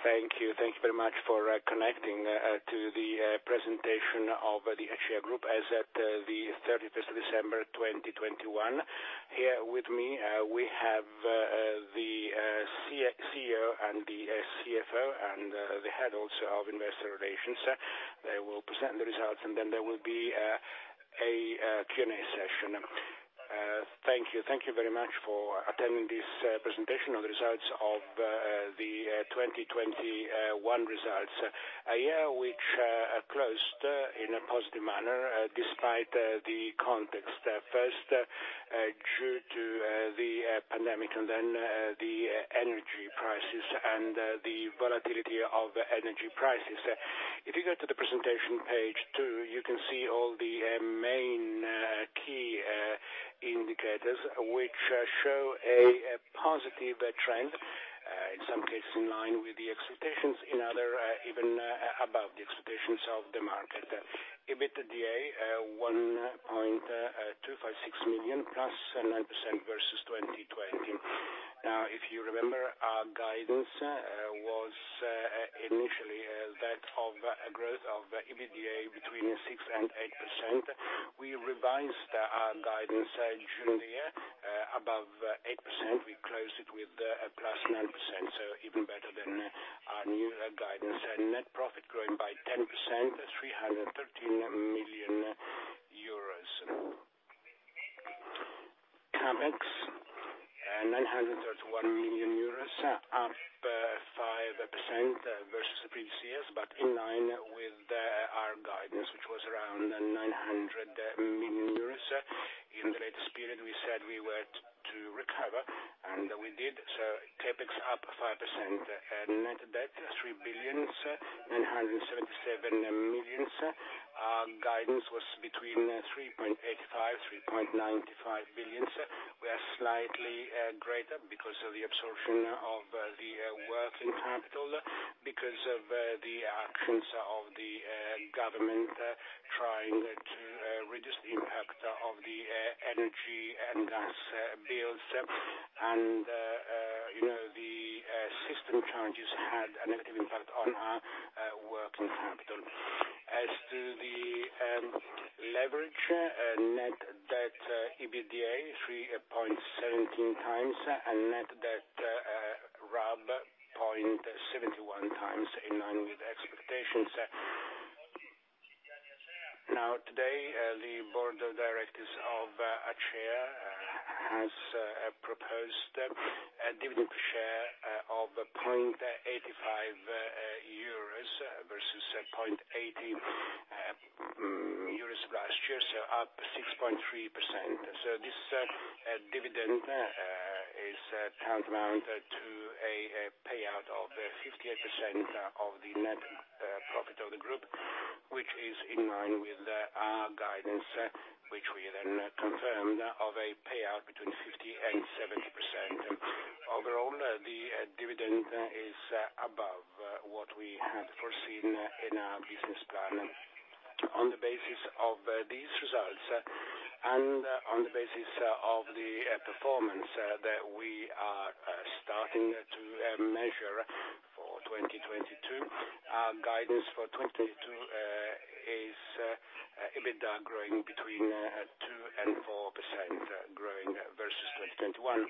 Thank you. Thank you very much for connecting to the presentation of the Acea Group as at the 31st of December 2021. Here with me we have the CEO and the CFO and the Head also of Investor Relations. They will present the results, and then there will be a Q&A session. Thank you. Thank you very much for attending this presentation of the results of the 2021 results. A year which closed in a positive manner despite the context. First due to the pandemic and then the energy prices and the volatility of energy prices. If you go to the presentation page 2, you can see all the main key indicators which show a positive trend in some cases in line with the expectations, in other even above the expectations of the market. EBITDA 1.256 million +9% versus 2020. Now, if you remember, our guidance was initially that of a growth of EBITDA between 6%-8%. We revised our guidance in June here above 8%. We closed it with +9%, so even better than our new guidance. Net profit growing by 10%, 313 million euros. CapEx 931 million euros, up 5% versus the previous years, but in line with our guidance, which was around 900 million euros. In the latest period, we said we were to recover, and we did. CapEx up 5%. Net debt, 3.977 billion. Our guidance was between 3.85 billion and 3.95 billion. We are slightly greater because of the absorption of the working capital because of the actions of the government trying to reduce the impact of the energy and gas bills. You know, the system challenges had a negative impact on our working capital. As to the leverage, net debt EBITDA 3.17x and net debt RAB 0.71x in line with expectations. Today, the board of directors of Acea has proposed a dividend share of 0.85 euros versus 0.80 euros last year, so up 6.3%. This dividend is tantamount to a payout of 58% of the net profit of the group, which is in line with our guidance, which we then confirmed of a payout between 50% and 70%. Overall, the dividend is above what we had foreseen in our business plan. On the basis of these results and on the basis of the performance that we are starting to measure for 2022, our guidance for 2022 is EBITDA growing between 2% and 4% growing versus 2021.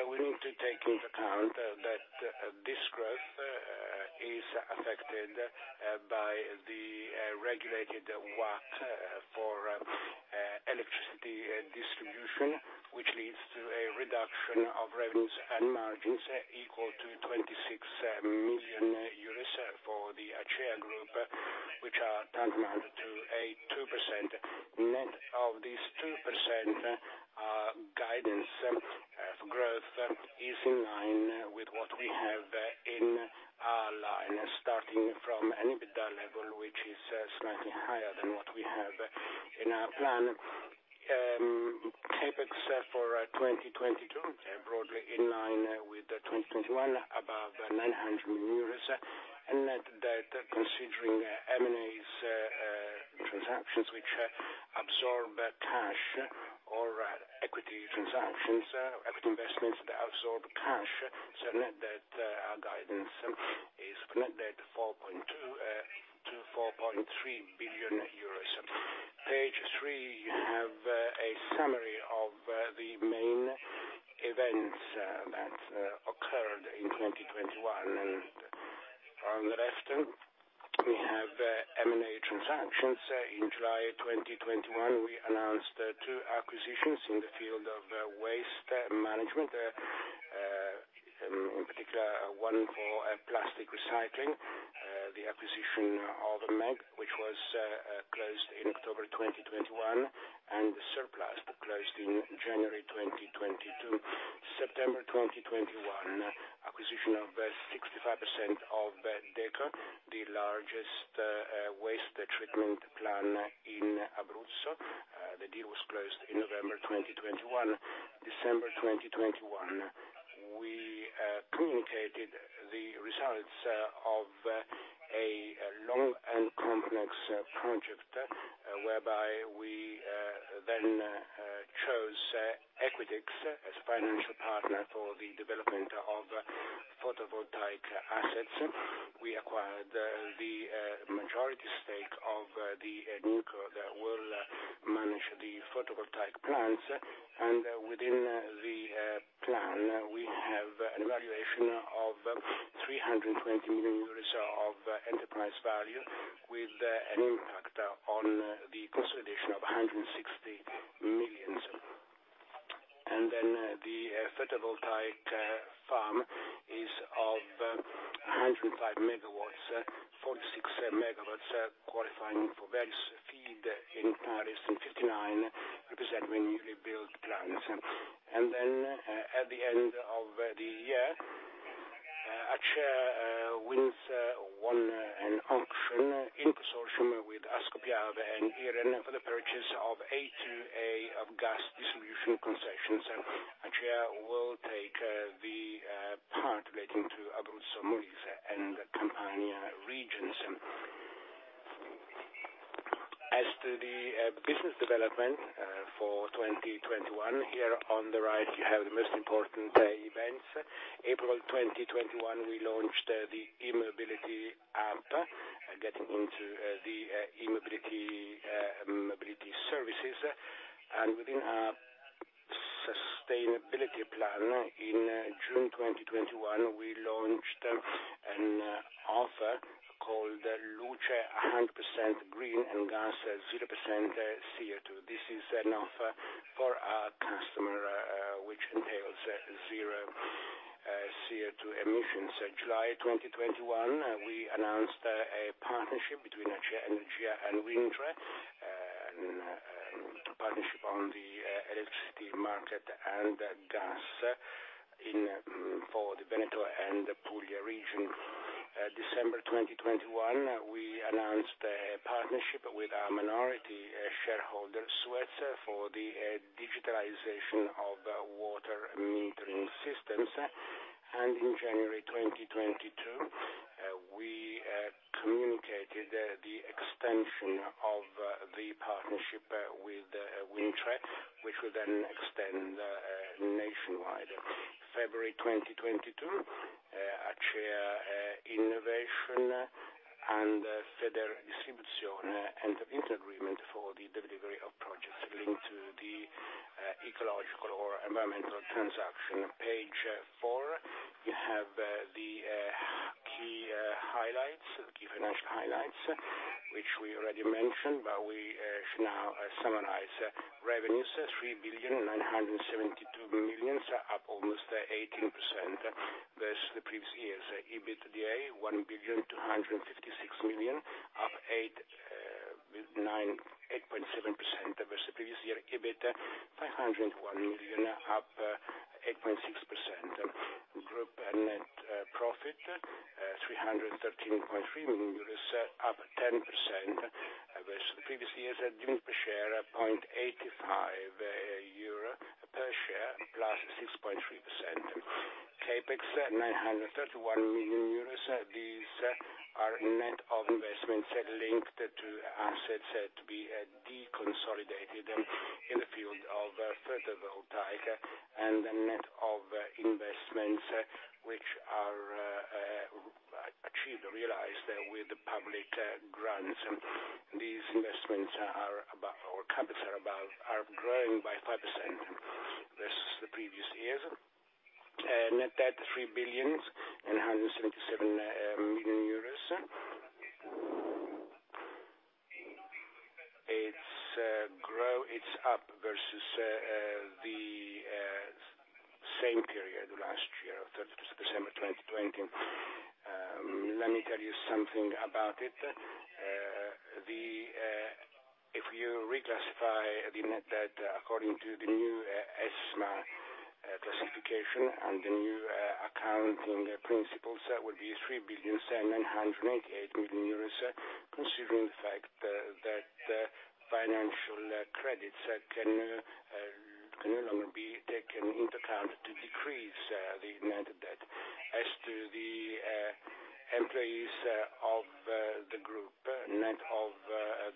We need to take into account that this growth is affected by the regulated WACC for electricity and distribution, which leads to a reduction of revenues and margins equal to 26 million euros for the Acea Group, which are tantamount to 2%. Net of this 2%, guidance growth is in line with what we have in our plan, starting from an EBITDA level, which is slightly higher than what we have in our plan. CapEx for 2022, broadly in line with 2021, above EUR 900 million. Net debt, considering M&As transactions which absorb cash or equity investments that absorb cash, our guidance is net debt 4.2 billion-4.3 billion euros. Page 3, you have a summary of the main events that occurred in 2021. On the left, we have M&A transactions. In July 2021, we announced two acquisitions in the field of waste management. In particular, one for plastic recycling, the acquisition of AMEG, which was closed in October 2021, and Circuplast closed in January 2022. September 2021, acquisition of 65% of Deco, the largest waste treatment plant in Abruzzo. The deal was closed in November 2021. December 2021, we communicated the results of a long and complex project, whereby we then chose Equitix as financial partner for the development of photovoltaic assets. We acquired the majority stake of the NewCo that will manage the photovoltaic plants. Within the plan, we have an evaluation of 320 million euros of enterprise value with an impact on the consolidation of 160 million. Then the photovoltaic farm is of 105 MW, 46 MW qualifying for various feed-in tariffs, and 59 representing newly built plants. Then, at the end of the year, Acea won an auction in consortium with Ascopiave and Iren for the purchase of ATEM of gas distribution concessions. Acea will take the part relating to Abruzzo, Molise, and Campania regions. As to the business development for 2021, here on the right, you have the most important events. April 2021, we launched the e-mobility app, getting into the e-mobility mobility services. Within our sustainability plan, in June 2021, we launched an offer called Luce 100% Green and Gas 0% CO₂. This is an offer for our customer, which entails zero CO₂ emissions. July 2021, we announced a partnership between Acea Energia and Wind Tre to partner on the electricity market and gas for the Veneto and Puglia region. December 2021, we announced a partnership with our minority shareholder, Suez, for the digitalization of water metering systems. In January 2022, we communicated the extension of the partnership with Wind Tre, which will then extend nationwide. February 2022, Acea Innovation and Federdistribuzione entered into agreement for the delivery of projects linked to the ecological or environmental transition. Page 4, you have the key highlights, key financial highlights, which we already mentioned, but we should now summarize. Revenues, 3,972 million, up almost 18% versus the previous years. EBITDA, 1,256 million, up 8.7% versus the previous year. EBIT, 501 million, up 8.6%. Group net profit, 313.3 million euros, up 10% versus the previous years. Dividend per share, 0.85 euro per share, +6.3%. CapEx, 931 million euros. These are net of investments linked to assets to be deconsolidated in the field of photovoltaic and the net of investments which are achieved or realized with public grants. These investments are about CapEx are growing by 5% versus the previous years. Net debt, 3.177 billion. It's up versus the same period last year, 31 December 2020. Let me tell you something about it. If you reclassify the net debt according to the new ESMA classification and the new accounting principles, that would be 3.988 billion, considering the fact that financial credits can no longer be taken into account to decrease the net debt. As to the employees of the group, net of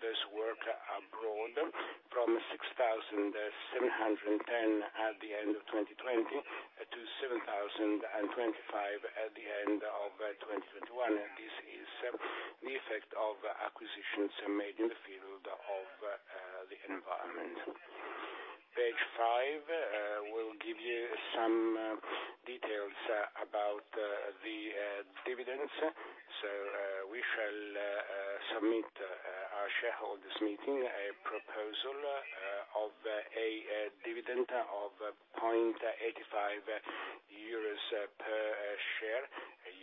those who work abroad, from 6,710 at the end of 2020 to 7,025 at the end of 2021. This is the effect of acquisitions made in the field of the environment. Page 5 will give you some details about the dividends. We shall submit to our shareholders' meeting a proposal of a dividend of 0.85 euros per share.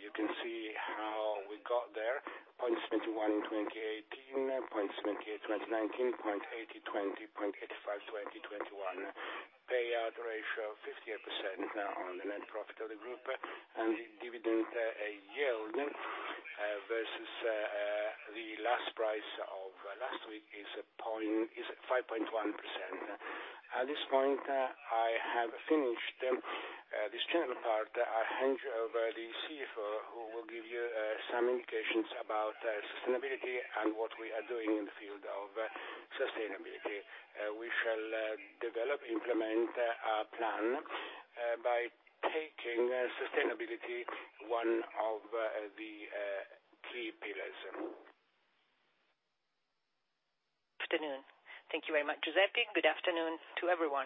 You can see how we got there. 0.71 in 2018, 0.78 in 2019, 0.80 in 2020, 0.85 in 2021. Payout ratio, 58% on the net profit of the group, and the dividend yield versus the last price of last week is 5.1%. At this point, I have finished this general part. I hand you over to the CFO, who will give you some indications about sustainability and what we are doing in the field of sustainability. We shall develop, implement our plan by taking sustainability one of the key pillars. Afternoon. Thank you very much, Giuseppe. Good afternoon to everyone.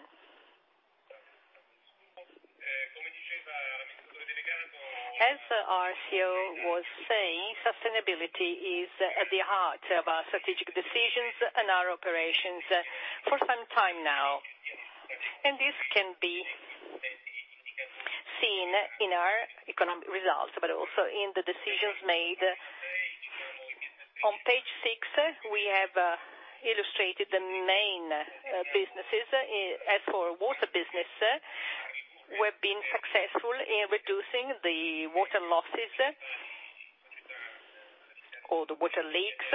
As our CEO was saying, sustainability is at the heart of our strategic decisions and our operations for some time now. This can be seen in our economic results, but also in the decisions made. On page 6, we have illustrated the main businesses. As for water business, we've been successful in reducing the water losses or the water leaks.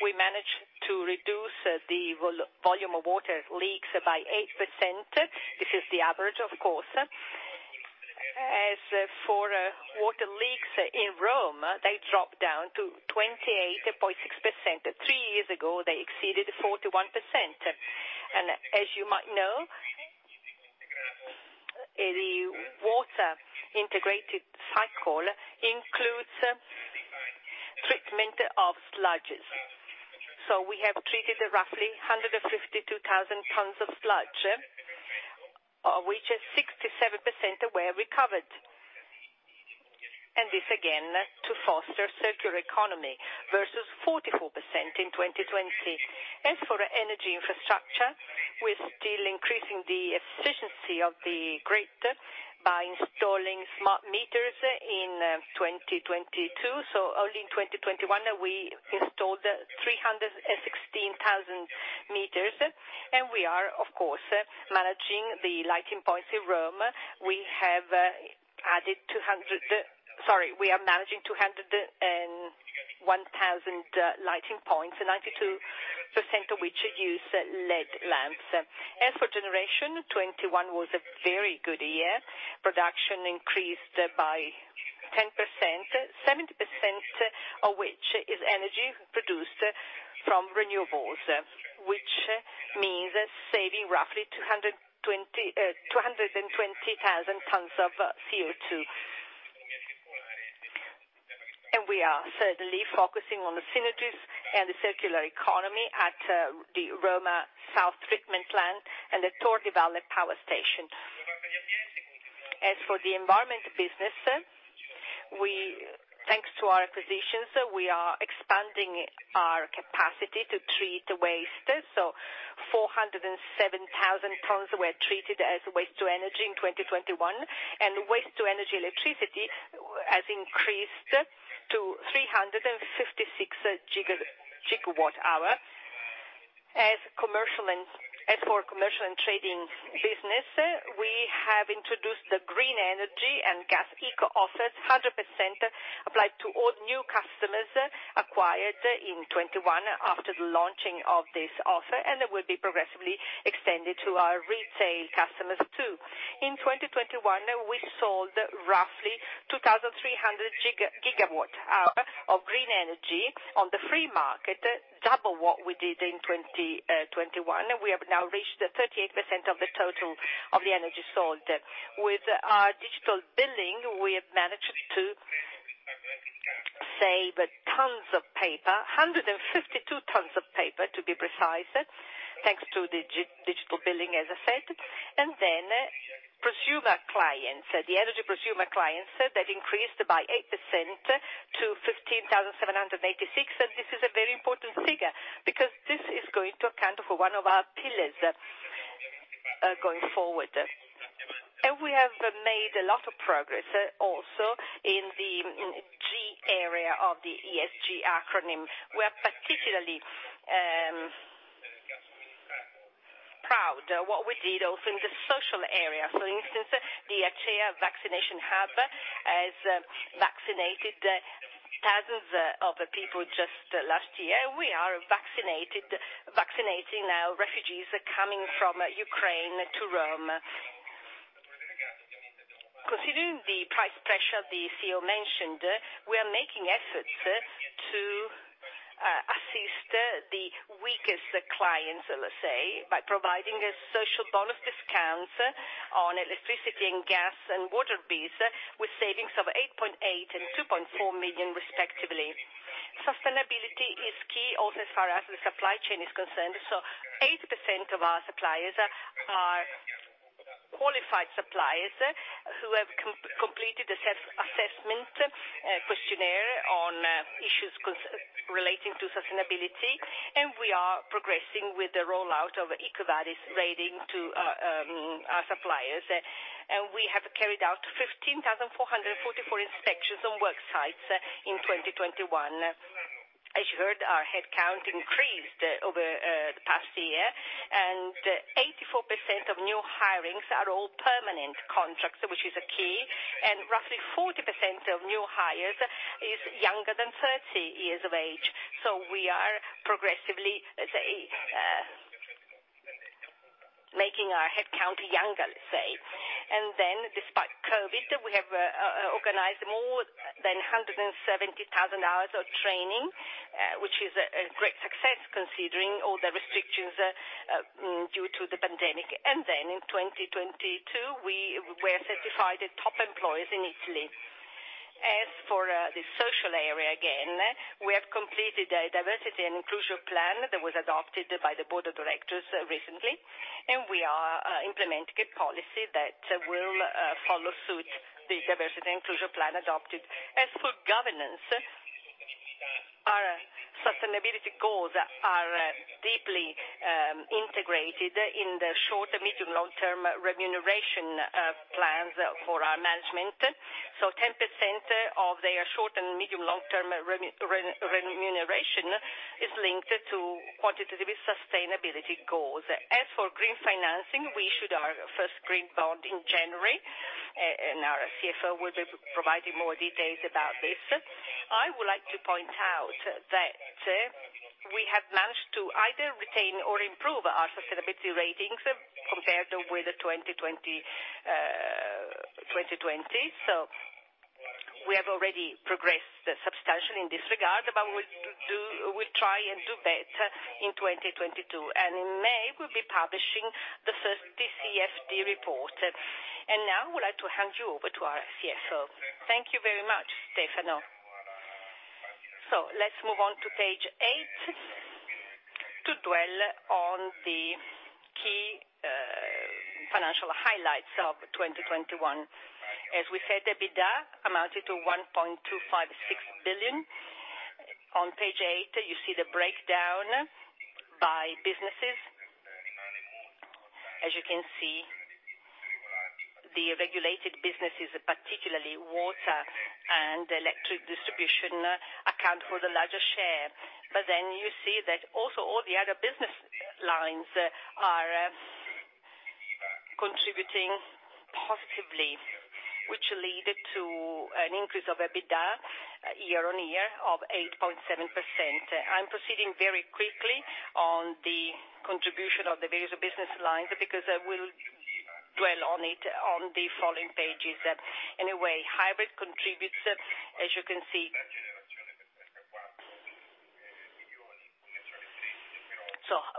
We managed to reduce the volume of water leaks by 8%. This is the average, of course. As for water leaks in Rome, they dropped down to 28.6%. Three years ago, they exceeded 41%. As you might know, the water integrated cycle includes treatment of sludges. We have treated roughly 152,000 tons of sludge, which is 67% were recovered. This again, to foster circular economy versus 44% in 2020. As for energy infrastructure, we're still increasing the efficiency of the grid by installing smart meters in 2022. Only in 2021 we installed 316,000 meters. We are, of course, managing the lighting points in Rome. We are managing 201,000 lighting points, 92% of which use LED lamps. As for generation, 2021 was a very good year. Production increased by 10%, 7% of which is energy produced from renewables, which means saving roughly 220,000 tons of CO2. We are certainly focusing on the synergies and the circular economy at the Roma Sud treatment plant and the Torrevaldaliga Power Station. As for the environment business, thanks to our acquisitions, we are expanding our capacity to treat waste. Four hundred and seven thousand tons were treated as waste to energy in 2021, and waste to energy electricity has increased to 356 GWh. As for commercial and trading business, we have introduced the green energy and gas eco offers. 100% apply to all new customers acquired in 2021 after the launching of this offer, and it will be progressively extended to our retail customers, too. In 2021, we sold roughly 2,300 GWh of green energy on the free market, double what we did in 2021. We have now reached 38% of the total of the energy sold. With our digital billing, we have managed to save tons of paper, 152 tons of paper, to be precise, thanks to digital billing, as I said. Prosumer clients, the energy prosumer clients, that increased by 8% to 15,786. This is a very important figure because this is going to account for one of our pillars going forward. We have made a lot of progress also in the G area of the ESG acronym. We are particularly proud of what we did also in the social area. For instance, the Acea vaccination hub has vaccinated thousands of people just last year. We are vaccinating now refugees coming from Ukraine to Rome. Considering the price pressure the CEO mentioned, we are making efforts to assist the weakest clients, let's say, by providing a social bonus discount on electricity and gas and water bills, with savings of 8.8 million and 2.4 million respectively. Sustainability is key also as far as the supply chain is concerned. Eighty percent of our suppliers are qualified suppliers who have completed assessment questionnaire on issues relating to sustainability, and we are progressing with the rollout of EcoVadis rating to our suppliers. We have carried out 15,444 inspections on work sites in 2021. As you heard, our headcount increased over the past year, and 84% of new hirings are all permanent contracts, which is a key, and roughly 40% of new hires is younger than 30 years of age. We are progressively, let's say, making our headcount younger, let's say. Despite COVID, we have organized more than 170,000 hours of training, which is a great success considering all the restrictions due to the pandemic. In 2022, we were certified Top Employers in Italy. As for the social area, again, we have completed a diversity and inclusion plan that was adopted by the board of directors recently, and we are implementing a policy that will follow suit the diversity inclusion plan adopted. As for governance, our sustainability goals are deeply integrated in the short-, medium-, and long-term remuneration plans for our management. 10% of their short- and medium- and long-term remuneration is linked to quantitative sustainability goals. As for green financing, we issued our first green bond in January, and our CFO will be providing more details about this. I would like to point out that we have managed to either retain or improve our sustainability ratings compared with 2020. We have already progressed substantially in this regard, but we'll try and do better in 2022. In May, we'll be publishing the first TCFD report. Now I would like to hand you over to our CFO. Thank you very much, Stefano. Let's move on to page 8 to dwell on the key financial highlights of 2021. As we said, EBITDA amounted to 1.256 billion. On page 8, you see the breakdown by businesses. As you can see, the regulated businesses, particularly water and electric distribution, account for the larger share. You see that also all the other business lines are contributing positively, which lead to an increase of EBITDA year-on-year of 8.7%. I'm proceeding very quickly on the contribution of the various business lines because I will dwell on it on the following pages. Anyway, hybrid contributes, as you can see.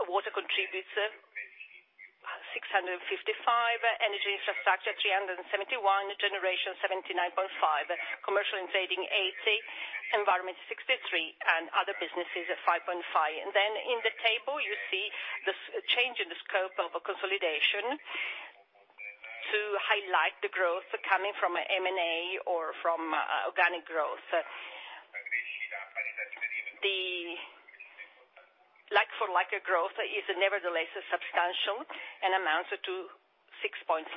Water contributes 655, Energy Infrastructure 371, Generation 79.5, Commercial and Trading 80, Environment 63, and Other Businesses 5.5. Then in the table, you see this change in the scope of consolidation to highlight the growth coming from M&A or from organic growth. The like-for-like growth is nevertheless substantial and amounts to 6.5%.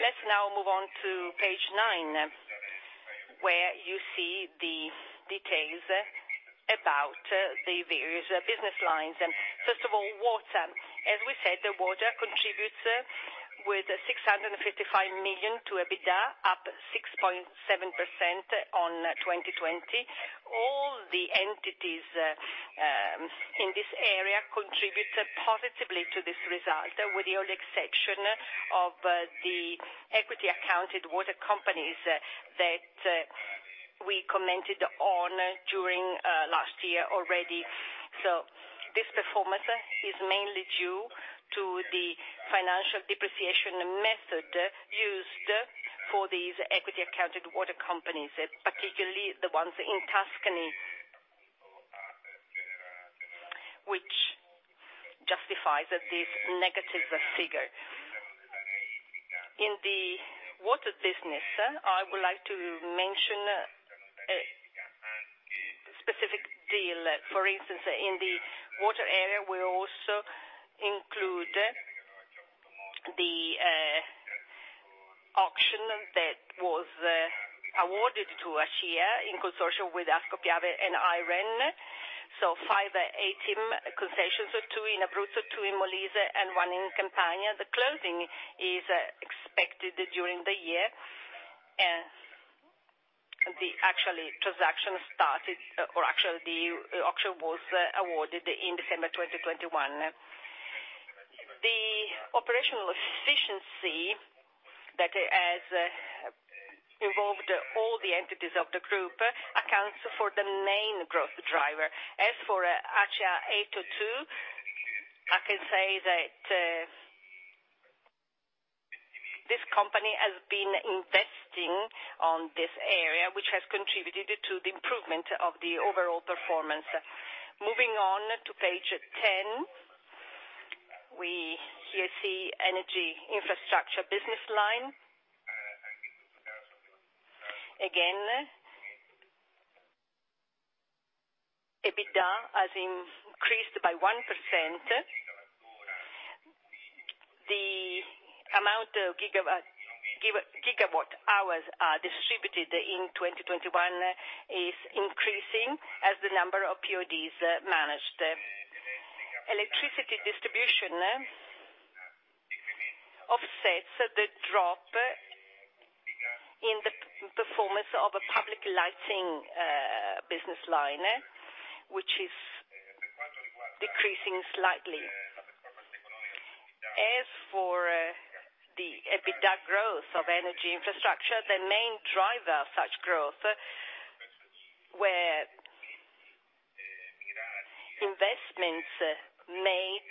Let's now move on to page 9, where you see the details about the various business lines. First of all, water. As we said, the water contributes with 655 million to EBITDA, up 6.7% on 2020. All the entities in this area contribute positively to this result, with the only exception of the equity accounted water companies that we commented on during last year already. This performance is mainly due to the financial depreciation method used for these equity accounted water companies, particularly the ones in Tuscany, which justifies this negative figure. In the water business, I would like to mention a specific deal. For instance, in the water area, we also include the auction that was awarded to Acea in consortium with Ascopiave and Iren. Five ATEM concessions, with two in Abruzzo, two in Molise, and one in Campania. The closing is expected during the year. The actual transaction started, or actually, the auction was awarded in December 2021. The operational efficiency that has involved all the entities of the group accounts for the main growth driver. As for Acea Ato 2, I can say that this company has been investing on this area, which has contributed to the improvement of the overall performance. Moving on to page 10. We here see energy infrastructure business line. Again, EBITDA has increased by 1%. The amount of gigawatt hours distributed in 2021 is increasing as the number of PODs managed. Electricity distribution offsets the drop in the performance of public lighting business line, which is decreasing slightly. As for the EBITDA growth of energy infrastructure, the main driver of such growth were investments made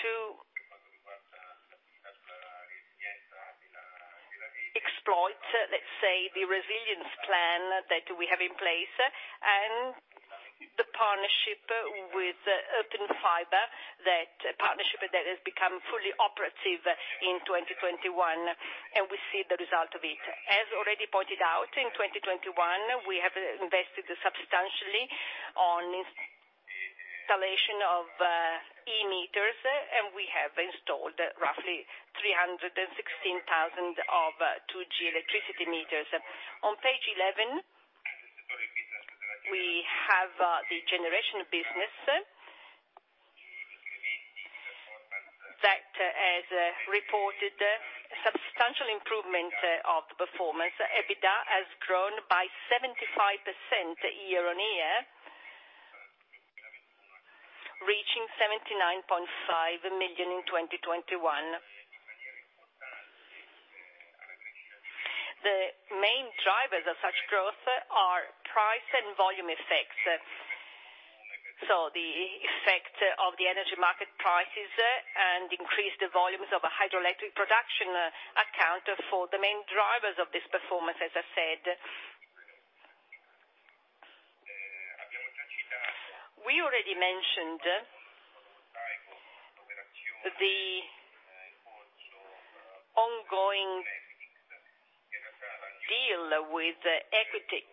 to exploit, let's say, the resilience plan that we have in place, and the partnership with Open Fiber, that partnership that has become fully operative in 2021, and we see the result of it. As already pointed out, in 2021, we have invested substantially on installation of e-meters, and we have installed roughly 316,000 of 2G electricity meters. On page 11, we have the generation business that has reported a substantial improvement of performance. EBITDA has grown by 75% year-over-year, reaching EUR 79.5 million in 2021. The main drivers of such growth are price and volume effects. The effect of the energy market prices and increased volumes of hydroelectric production account for the main drivers of this performance, as I said. We already mentioned the ongoing deal with Equitix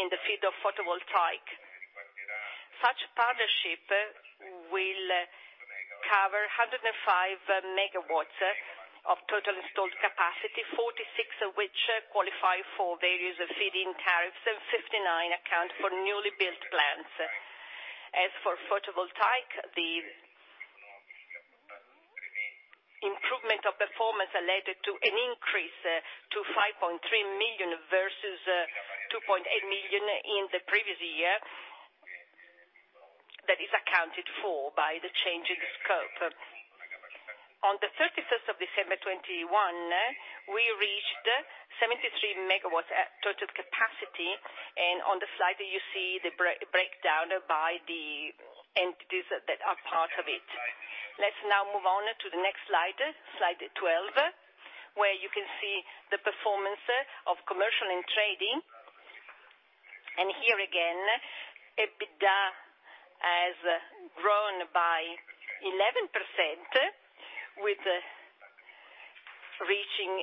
in the field of photovoltaic. Such partnership will cover 105 MW of total installed capacity, 46 of which qualify for various feed-in tariffs, and 59 account for newly built plants. As for photovoltaic, the improvement of performance led to an increase to 5.3 million, versus 2.8 million in the previous year. That is accounted for by the change in scope. On the 31st of December 2021, we reached 73 MW at total capacity, and on the slide you see the breakdown by the entities that are part of it. Let's now move on to the next Slide 12, where you can see the performance of commercial and trading. Here again, EBITDA has grown by 11%, with reaching 80.5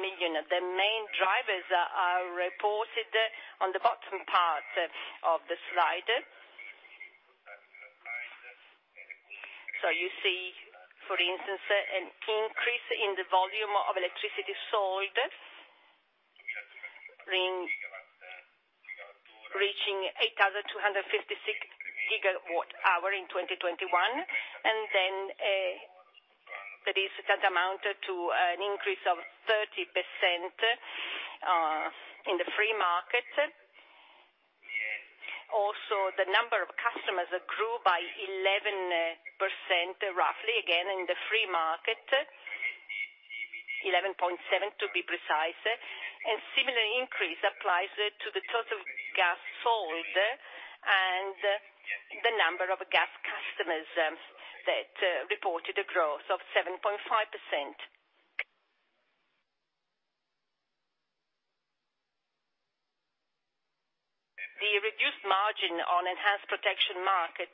million. The main drivers are reported on the bottom part of the slide. You see, for instance, an increase in the volume of electricity sold, reaching 8,256 GWh in 2021, and then, that is, that amounted to an increase of 30% in the free market. Also, the number of customers grew by 11%, roughly, again, in the free market, 11.7% to be precise. Similar increase applies to the total gas sold and the number of gas customers, that reported a growth of 7.5%. The reduced margin on enhanced protection market,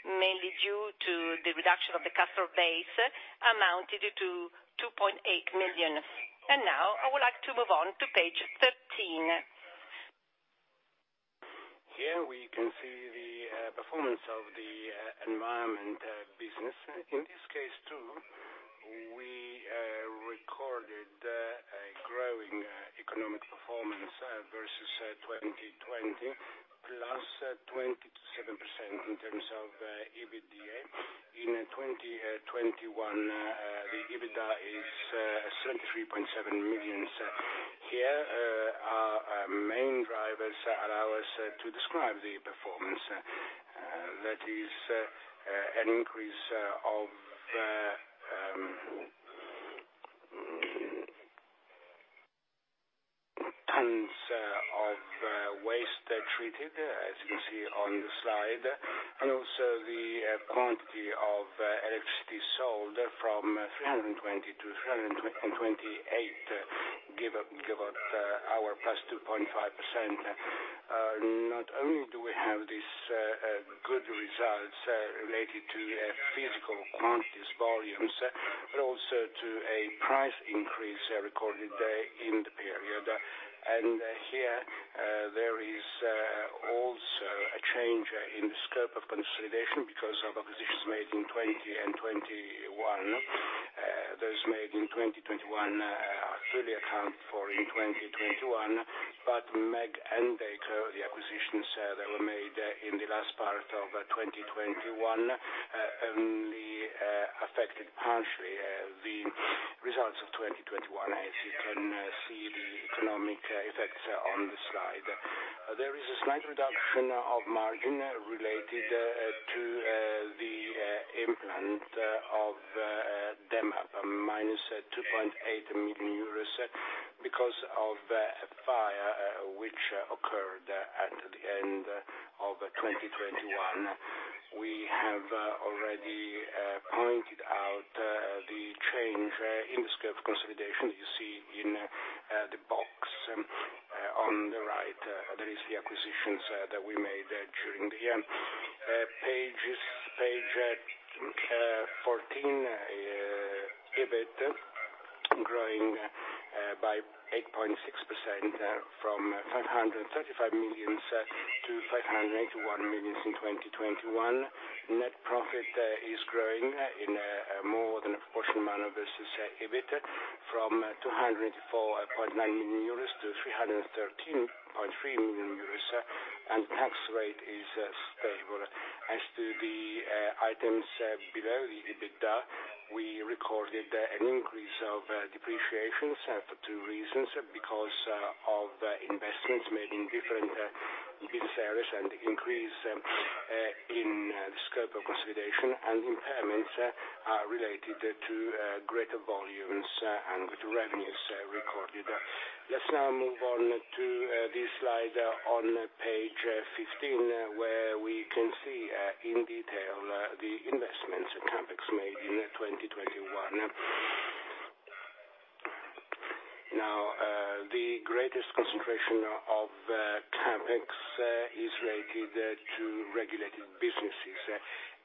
mainly due to the reduction of the customer base, amounted to 2.8 million. Now I would like to move on to page 13. Here we can see the performance of the environmental business. In this case, too, we recorded a growing economic performance versus 2020, +27% in terms of EBITDA. In 2021, the EBITDA is 73.7 million. Here, our main drivers allow us to describe the performance. That is, an increase in tons of waste treated, as you see on the slide, and also the quantity of electricity sold from 320 to 328, giving us +2.5%. Not only do we have these good results related to physical quantities, volumes, but also to a price increase recorded in the period. Here, there is also a change in the scope of consolidation because of acquisitions made in 2020 and 2021. Those made in 2021 actually account for in 2021, but MEG and Deco, the acquisitions, that were made in the last part of 2021 only affected partially the results of 2021, as you can see, the economic effects on the slide. There is a slight reduction of margin related to the impairment of DEM up -2.8 million euros because of the fire, which occurred at the end of 2021. We have already pointed out the change in the scope of consolidation you see in the box on the right. That is the acquisitions that we made during the year. Page 14, EBIT growing by 8.6% from 535 million-581 million in 2021. Net profit is growing in a more than proportional manner versus EBIT from 204.9 million-313.3 million euros, and tax rate is stable. As to the items below the EBITDA, we recorded an increase of depreciations for two reasons, because of investments made in different business areas and increase in the scope of consolidation, and impairments are related to greater volumes and greater revenues recorded. Let's now move on to this slide on page 15, where we can see in detail the investments and CapEx made in 2021. Now, the greatest concentration of CapEx is related to regulated businesses.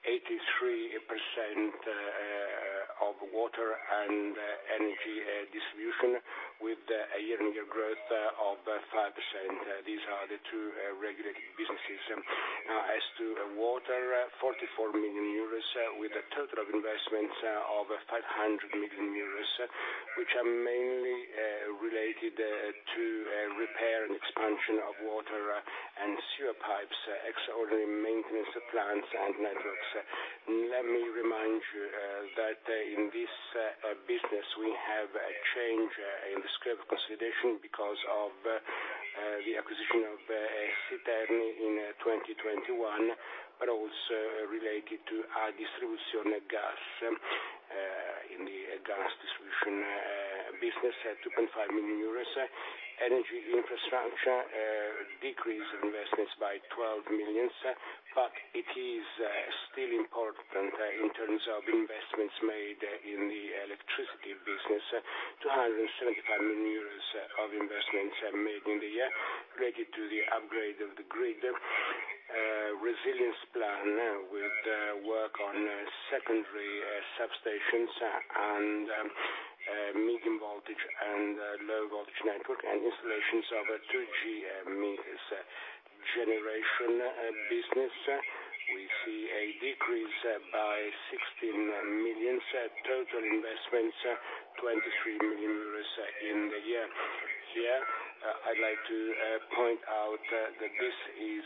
83% of water and energy distribution with a year-on-year growth of 5%. These are the two regulated businesses. As to water, 44 million euros with a total of investments of 500 million euros, which are mainly related to repair and expansion of water and sewer pipes, extraordinary maintenance of plants and networks. Let me remind you that in this business we have a change in the scope of consolidation because of the acquisition of SII Terni in 2021, but also related to our distribution of gas in the gas distribution business at 2.5 million euros. Energy infrastructure decrease investments by 12 million, but it is still important in terms of investments made in the electricity business. 275 million euros of investments are made in the year related to the upgrade of the grid resilience plan with work on secondary substations and medium voltage and low voltage network and installations of 2G in the generation business. We see a decrease by 16 million, total investments 23 million euros in the year. Here, I'd like to point out that this is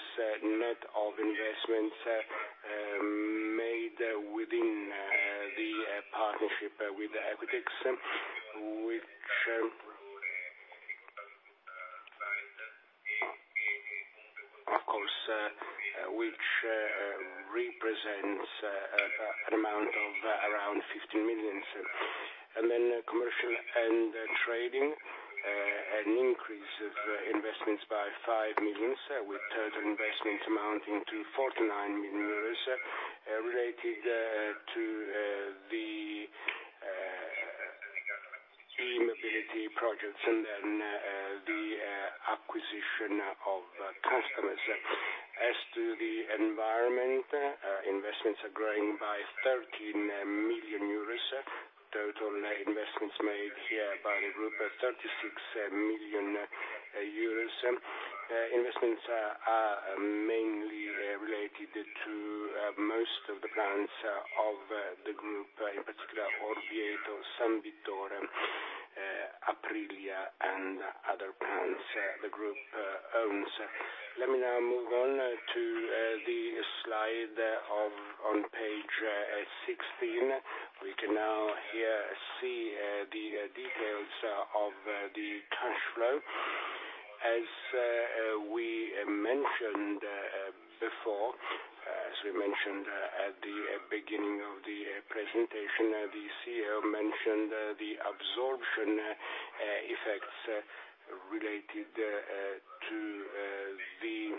net of investments made within the partnership with the Equitix, which, of course, represents an amount of around 15 million. Commercial and trading, an increase of investments by 5 million, with total investment amounting to 49 million euros, related to the e-mobility projects, and then the acquisition of customers. As to the environment, investments are growing by 13 million euros. Total investments made here by the group are EUR 36 million. Investments are mainly related to most of the plants of the group, in particular, Orvieto, San Vittore, Aprilia, and other plants the group owns. Let me now move on to the slide on page 16. We can now here see the details of the cash flow. As we mentioned before at the beginning of the presentation, the CEO mentioned the absorption effects related to the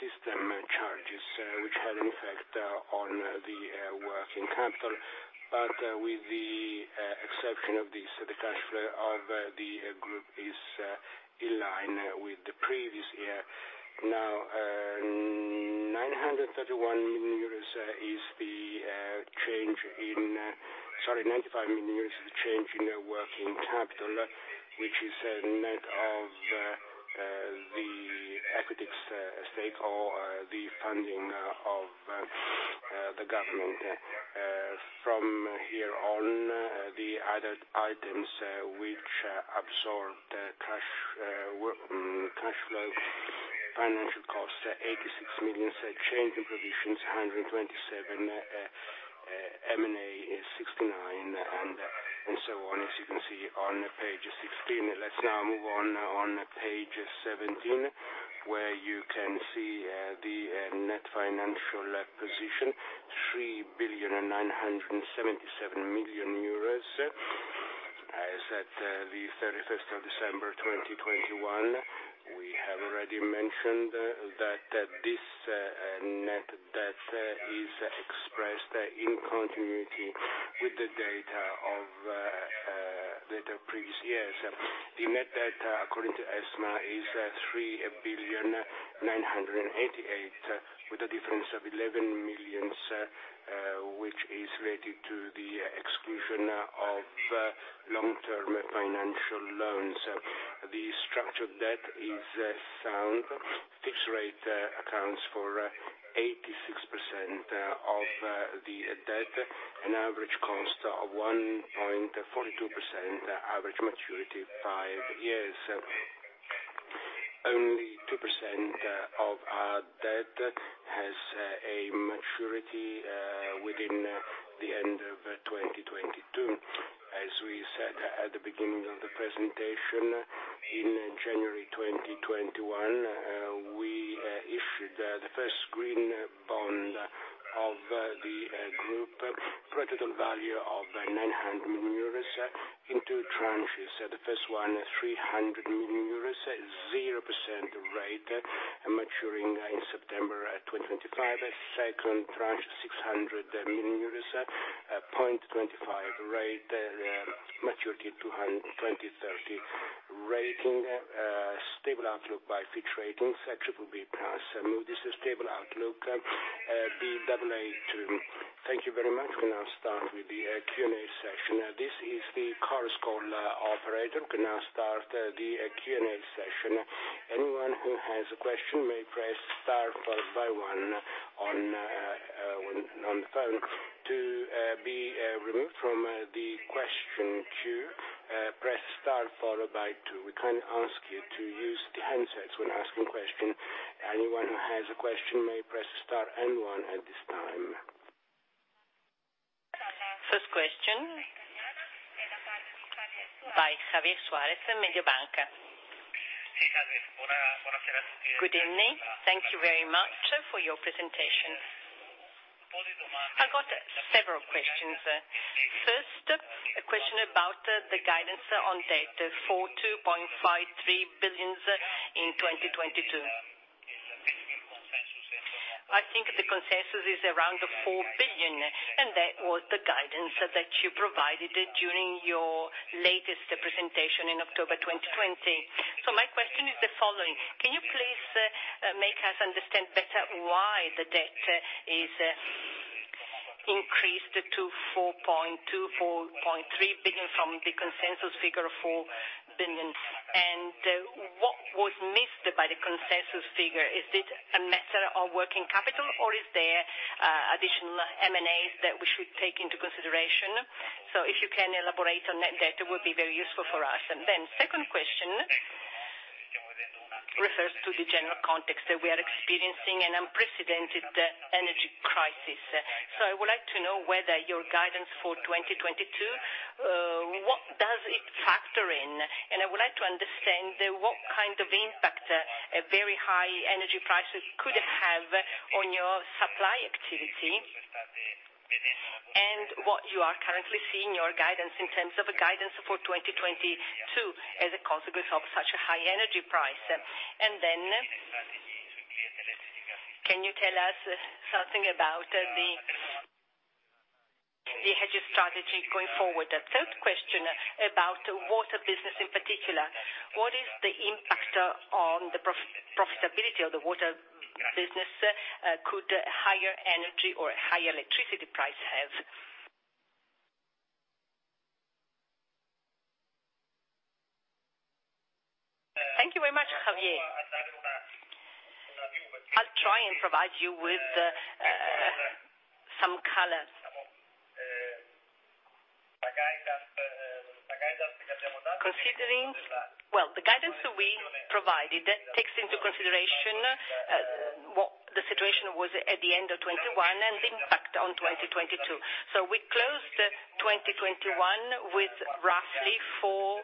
system charges, which had an effect on the working capital. With the exception of this, the cash flow of the Group is in line with the previous year. Now, sorry, 95 million euros is the change in the working capital, which is net of the equity stake or the funding of the government. From here on, the other items which absorb the cash flow, financial cost, 86 million, change in provisions, 127 million, M&A is 69 million, and so on, as you can see on page 16. Let's now move on to page 17, where you can see the net financial position, 3.977 billion, as at the 31st of December 2021. We have already mentioned that this net debt is expressed in continuity with the data of the previous years. The net debt, according to ESMA, is 3.988 billion, with a difference of 11 million, which is related to the exclusion of long-term financial loans. The structured debt is sound. Fixed rate accounts for 86% of the debt, an average cost of 1.42%, average maturity five years. Only 2% of our debt has a maturity within the end of 2022. As we said at the beginning of the presentation, in January 2021, we issued the first green bond of the group, with a value of 900 million euros in two tranches. The first one, 300 million euros, at 0% rate, maturing in September 2025. Second tranche, 600 million euros, at 0.25% rate, maturity 2030. Rating stable outlook by Fitch Ratings, BBB+. Moody's is stable outlook, Baa2. Thank you very much. We'll now start with the Q&A session. Uh, this is the chorus caller operator. We can now start, uh, the Q&A session. Anyone who has a question may press star followed by one on, uh, when on the phone. To, uh, be, uh, removed from, uh, the question queue, uh, press star followed by two. We kindly ask you to use the handsets when asking question. Anyone who has a question may press star and one at this time. First question by Javier Suarez from Mediobanca. Good evening. Thank you very much for your presentation. I've got several questions. First, a question about the guidance on debt for 2.53 billion in 2022. I think the consensus is around the 4 billion, and that was the guidance that you provided during your latest presentation in October 2020. My question is the following: Can you please make us understand better why the debt is increased to 4.2 billion-4.3 billion from the consensus figure of 4 billion? And what was missed by the consensus figure? Is it a matter of working capital, or is there additional M&As that we should take into consideration? If you can elaborate on that debt, it would be very useful for us. Second question refers to the general context that we are experiencing an unprecedented energy crisis. I would like to know whether your guidance for 2022, what does it factor in. I would like to understand what kind of impact a very high energy prices could have on your supply activity, and what you are currently seeing your guidance in terms of a guidance for 2022 as a consequence of such a high energy price. Can you tell us something about the hedge strategy going forward. Third question about water business in particular. What is the impact on the profitability of the water business could higher energy or higher electricity price have. Thank you very much, Javier. I'll try and provide you with some color. The guidance that we provided takes into consideration what the situation was at the end of 2021, and then in 2022. We closed 2021 with roughly 4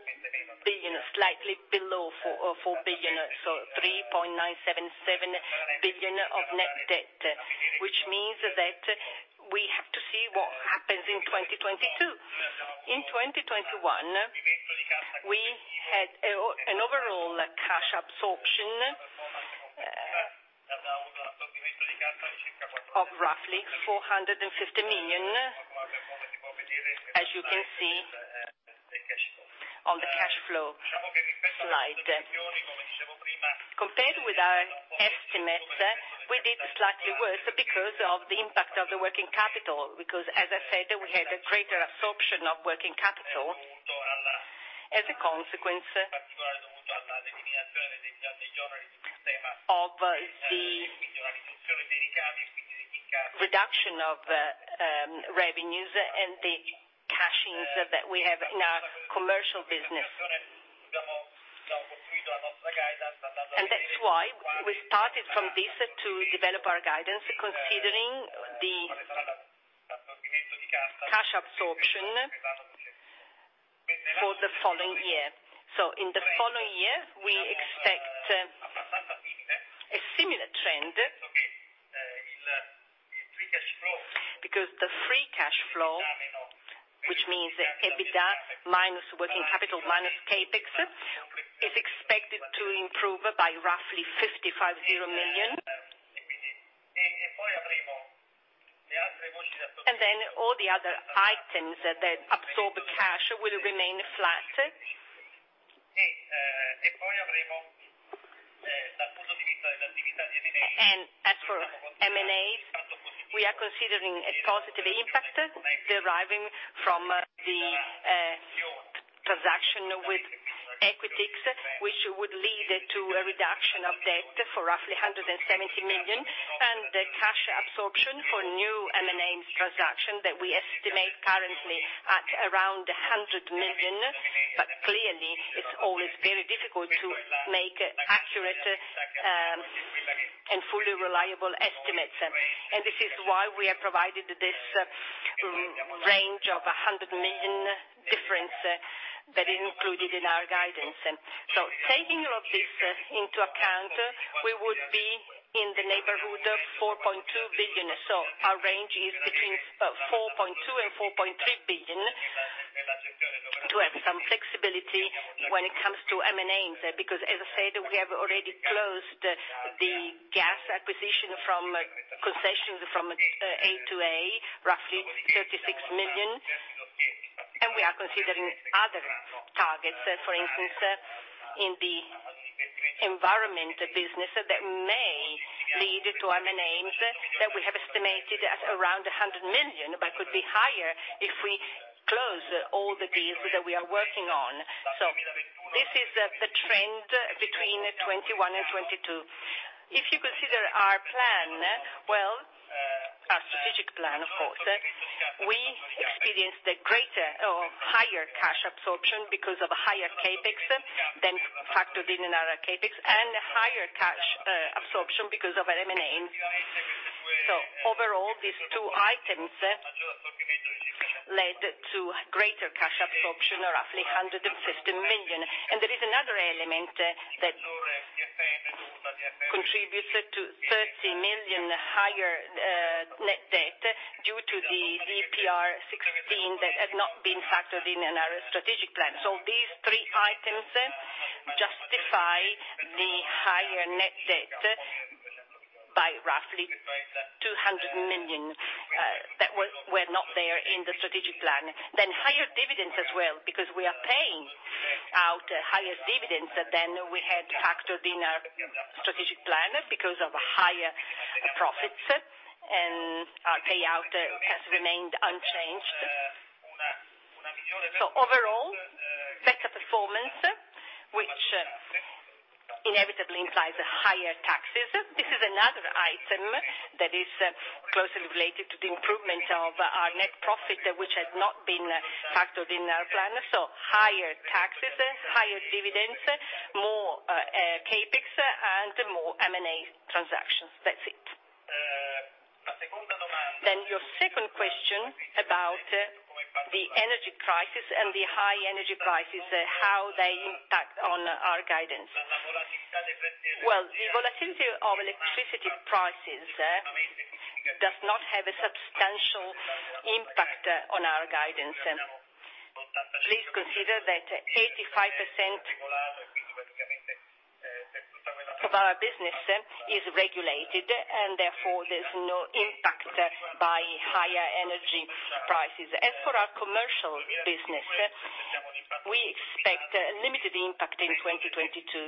billion, slightly below four, 4 billion, so 3.977 billion of net debt, which means that we have to see what happens in 2022. In 2021, we had an overall cash absorption of roughly 450 million, as you can see on the cash flow slide. Compared with our estimates, we did slightly worse because of the impact of the working capital, because as I said, we had a greater absorption of working capital as a consequence of the reduction of revenues and the cash ins that we have in our commercial business. That's why we started from this to develop our guidance, considering the cash absorption for the following year. In the following year, we expect a similar trend, because the free cash flow, which means EBITDA minus working capital minus CapEx, is expected to improve by roughly 550 million. Then all the other items that absorb cash will remain flat. As for M&As, we are considering a positive impact deriving from the transaction with Equitix, which would lead to a reduction of debt for roughly 170 million, and the cash absorption for new M&A transaction that we estimate currently at around 100 million. Clearly, it's always very difficult to make accurate and fully reliable estimates. This is why we have provided this range of 100 million difference that is included in our guidance. Taking all this into account, we would be in the neighborhood of 4.2 billion. Our range is between 4.2 billion-4.3 billion to have some flexibility when it comes to M&As, because as I said, we have already closed the gas acquisition from concessions from A2A, roughly 36 million. We are considering other targets, for instance, in the environmental business that may lead to M&As that we have estimated at around 100 million, but could be higher if we close all the deals that we are working on. This is the trend between 2021 and 2022. If you consider our plan, well, our strategic plan, of course, we experienced a greater or higher cash absorption because of higher CapEx than factored in in our CapEx and higher cash absorption because of M&A. Overall, these two items led to greater cash absorption, roughly 150 million. There is another element that contributed to 30 million higher net debt due to the DPR 16 that had not been factored in our strategic plan. These three items justify the higher net debt by roughly 200 million that were not there in the strategic plan. Higher dividends as well, because we are paying out higher dividends than we had factored in our strategic plan because of higher profits, and our payout has remained unchanged. Overall, better performance, which inevitably implies higher taxes. This is another item that is closely related to the improvement of our net profit, which has not been factored in our plan. Higher taxes, higher dividends, more CapEx and more M&A transactions. That's it. Your second question about the energy prices and the high energy prices, how they impact on our guidance. Well, the volatility of electricity prices does not have a substantial impact on our guidance. Please consider that 85% of our business is regulated, and therefore, there's no impact by higher energy prices. As for our commercial business, we expect a limited impact in 2022.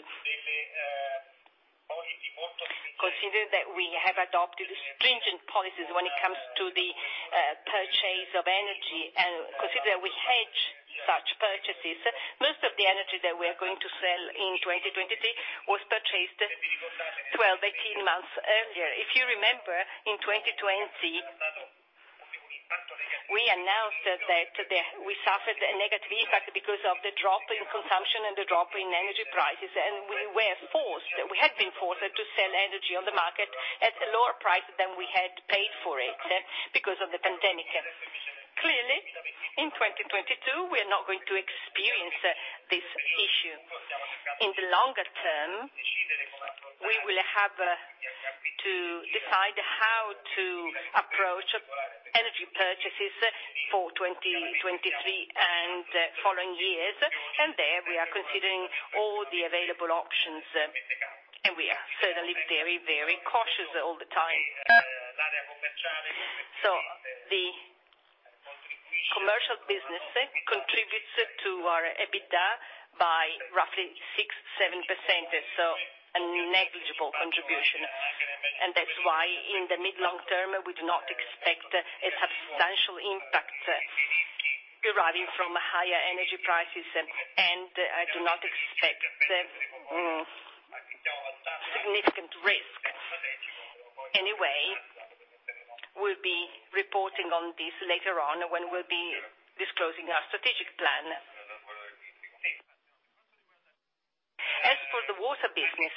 Consider that we have adopted stringent policies when it comes to the purchase of energy, and consider we hedge such purchases. Most of the energy that we are going to sell in 2022 was purchased 12, 18 months earlier. If you remember, in 2020 we announced that we suffered a negative impact because of the drop in consumption and the drop in energy prices. We have been forced to sell energy on the market at a lower price than we had paid for it, because of the pandemic. Clearly, in 2022, we are not going to experience this issue. In the longer term, we will have to decide how to approach energy purchases for 2023 and following years. There, we are considering all the available options, and we are certainly very, very cautious all the time. The commercial business contributes to our EBITDA by roughly 6-7%, so a negligible contribution. That's why in the mid-long term, we do not expect a substantial impact deriving from higher energy prices, and I do not expect significant risks. Anyway, we'll be reporting on this later on when we'll be disclosing our strategic plan. As for the water business,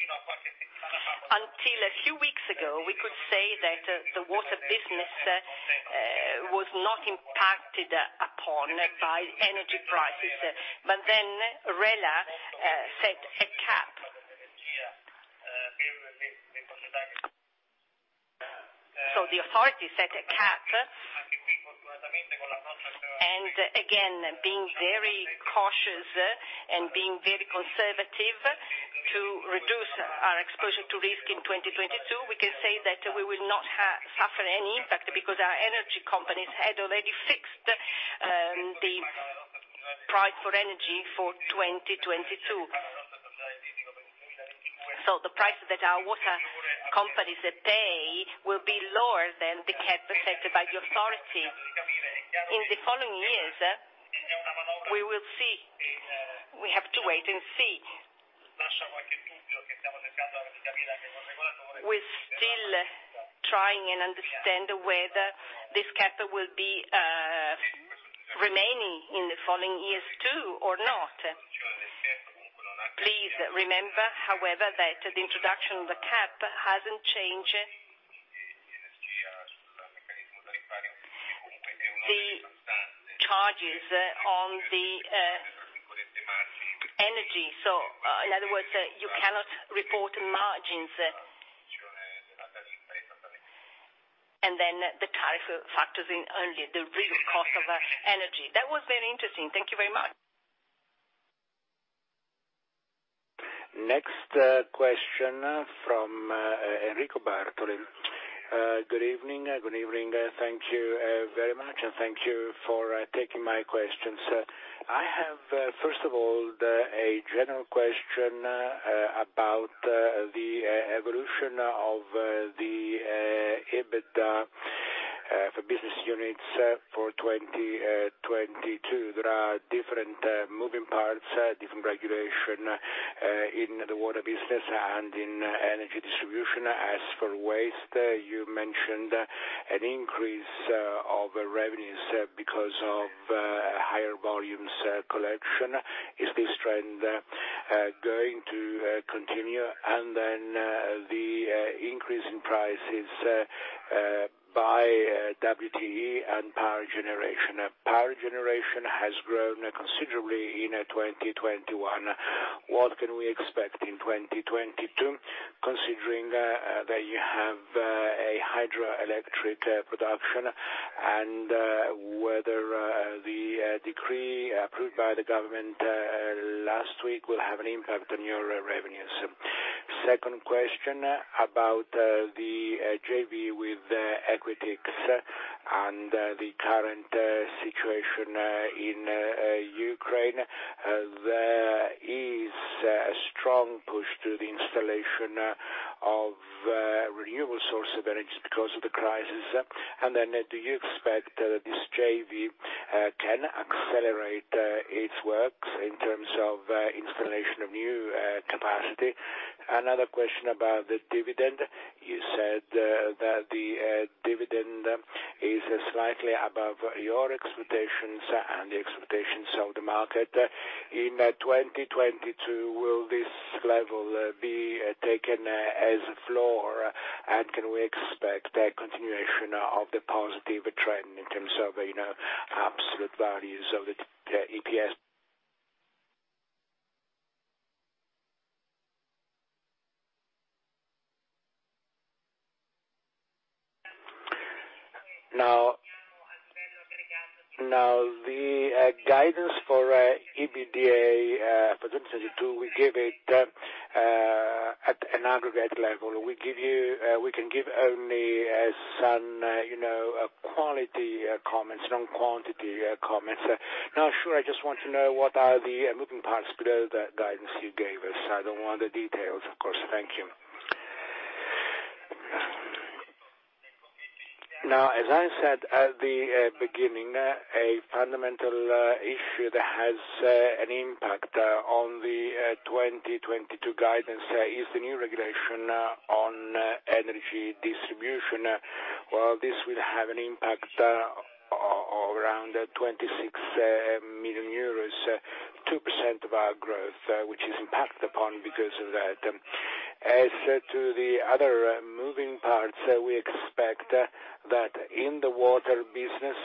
until a few weeks ago, we could say that the water business was not impacted upon by energy prices. ARERA set a cap. The authority set a cap. Again, being very cautious and being very conservative to reduce our exposure to risk in 2022, we can say that we will not suffer any impact, because our energy companies had already fixed the price for energy for 2022. The price that our water companies pay will be lower than the cap set by the authority. In the following years, we will see. We have to wait and see. We're still trying to understand whether this cap will be remaining in the following years too or not. Please remember, however, that the introduction of the cap hasn't changed the charges on the energy. In other words, you cannot report margins. Then the tariff factors in only the real cost of energy. That was very interesting. Thank you very much. Next, question from Enrico Bartoli. Good evening. Good evening. Thank you, very much, and thank you for taking my questions. I have, first of all, a general question, about the evolution of the, EBITDA for business units for 2022. There are different moving parts, different regulation, in the water business and in energy distribution. As for waste, you mentioned an increase, of revenues because of, higher volumes collection. Is this trend, going to continue? And then, the increase in prices, by WTE and power generation. Power generation has grown considerably in, 2021. What can we expect in 2022, considering, that you have, a hydroelectric production, and, whether, the, decree approved by the government, last week will have an impact on your revenues? Second question about the JV with Equitix and the current situation in Ukraine. There is a strong push to the installation of renewable source of energy because of the crisis. Do you expect that this JV can accelerate its works in terms of installation of new capacity? Another question about the dividend. You said that the dividend is slightly above your expectations and the expectations of the market. In 2022, will this level be taken as floor, and can we expect a continuation of the positive trend in terms of, you know, absolute values of the EPS? Now the guidance for EBITDA for 2022, we give it at an aggregate level. We can give only some, you know, quality comments, not quantity comments. No, sure. I just want to know what are the moving parts below that guidance you gave us. I don't want the details, of course. Thank you. Now, as I said at the beginning, a fundamental issue that has an impact on the 2022 guidance is the new regulation on energy distribution. Well, this will have an impact around 26 million euros, 2% of our growth, which is impacted upon because of that. As to the other moving parts, we expect that in the water business,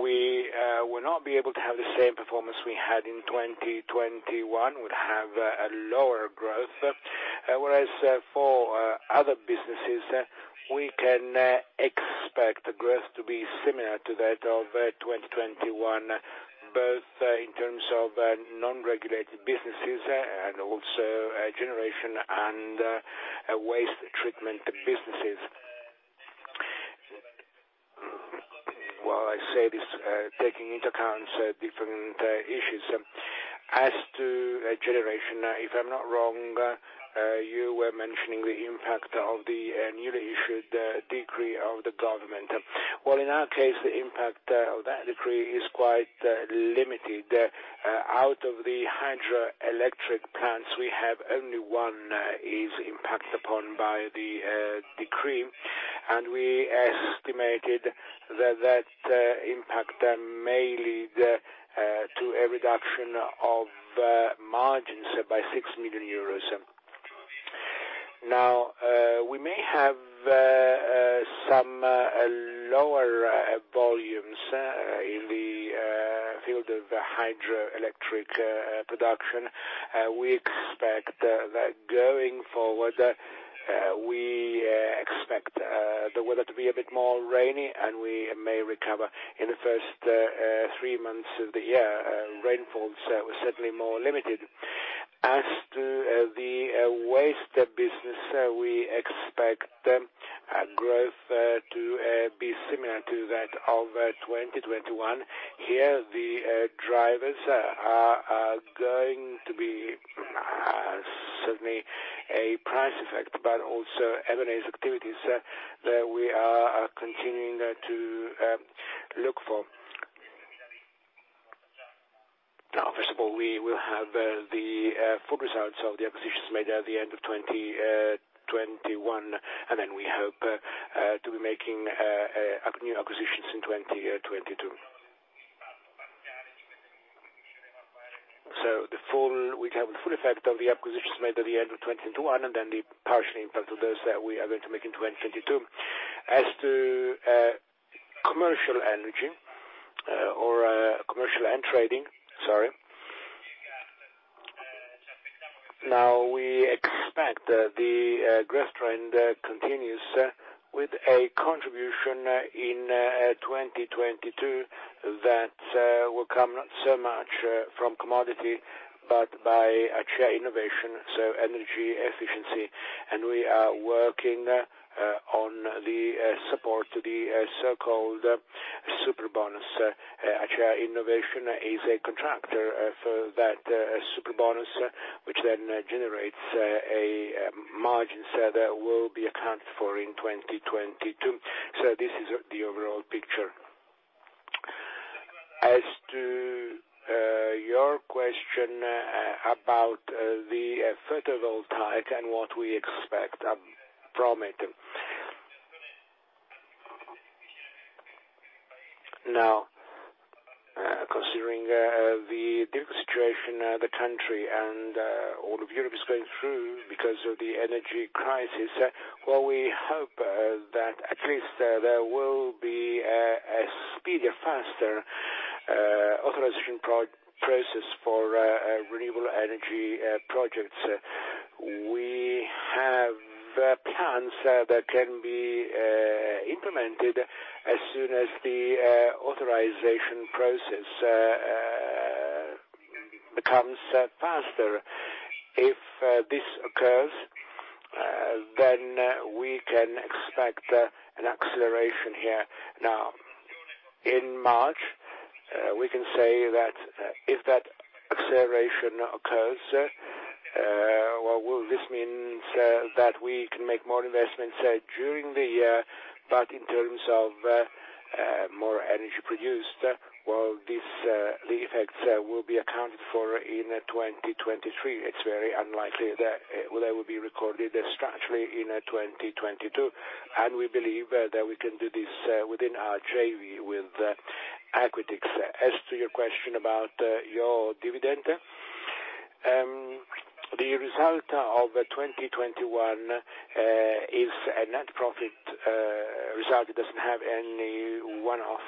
we will not be able to have the same performance we had in 2021. We'll have a lower growth. Whereas for other businesses, we can expect the growth to be similar to that of 2021, both in terms of non-regulated businesses and also generation and waste treatment businesses. Well, I say this taking into account different issues. As to generation, if I'm not wrong, you were mentioning the impact of the newly issued decree of the government. Well, in our case, the impact of that decree is quite limited. Out of the hydroelectric plants we have, only one is impacted upon by the decree. We estimated that impact may lead to a reduction of margins by 6 million euros. Now, we may have some lower volumes in the field of hydroelectric production. We expect that going forward, the weather to be a bit more rainy, and we may recover. In the first three months of the year, rainfalls were certainly more limited. As to the waste business, we expect growth to be similar to that of 2021. Here, the drivers are going to be certainly a price effect, but also M&As activities that we are continuing to look for. Now, first of all, we will have the full results of the acquisitions made at the end of 2021, and then we hope to be making new acquisitions in 2022. We have the full effect of the acquisitions made at the end of 2021, and then the partial impact of those that we are going to make in 2022. As to commercial energy, or commercial and trading, sorry. Now, we expect the growth trend continues with a contribution in 2022 that will come not so much from commodity, but by share innovation, so energy efficiency. We are working on the support to the so-called Superbonus. Acea Innovation is a contractor for that Superbonus, which then generates a margin, so that will be accounted for in 2022. This is the overall picture. As to your question about the photovoltaic and what we expect from it. Now, considering the difficult situation the country and all of Europe is going through because of the energy crisis, well, we hope that at least there will be a speedier, faster authorization process for renewable energy projects. We have plans that can be implemented as soon as the authorization process becomes faster. If this occurs, then we can expect an acceleration here. Now, in March we can say that if that acceleration occurs, well, this means that we can make more investments during the year, but in terms of more energy produced, well, these effects will be accounted for in 2023. It's very unlikely that they will be recorded structurally in 2022. We believe that we can do this within our JV with Equitix. As to your question about your dividend, the result of 2021 is a net profit result. It doesn't have any one-off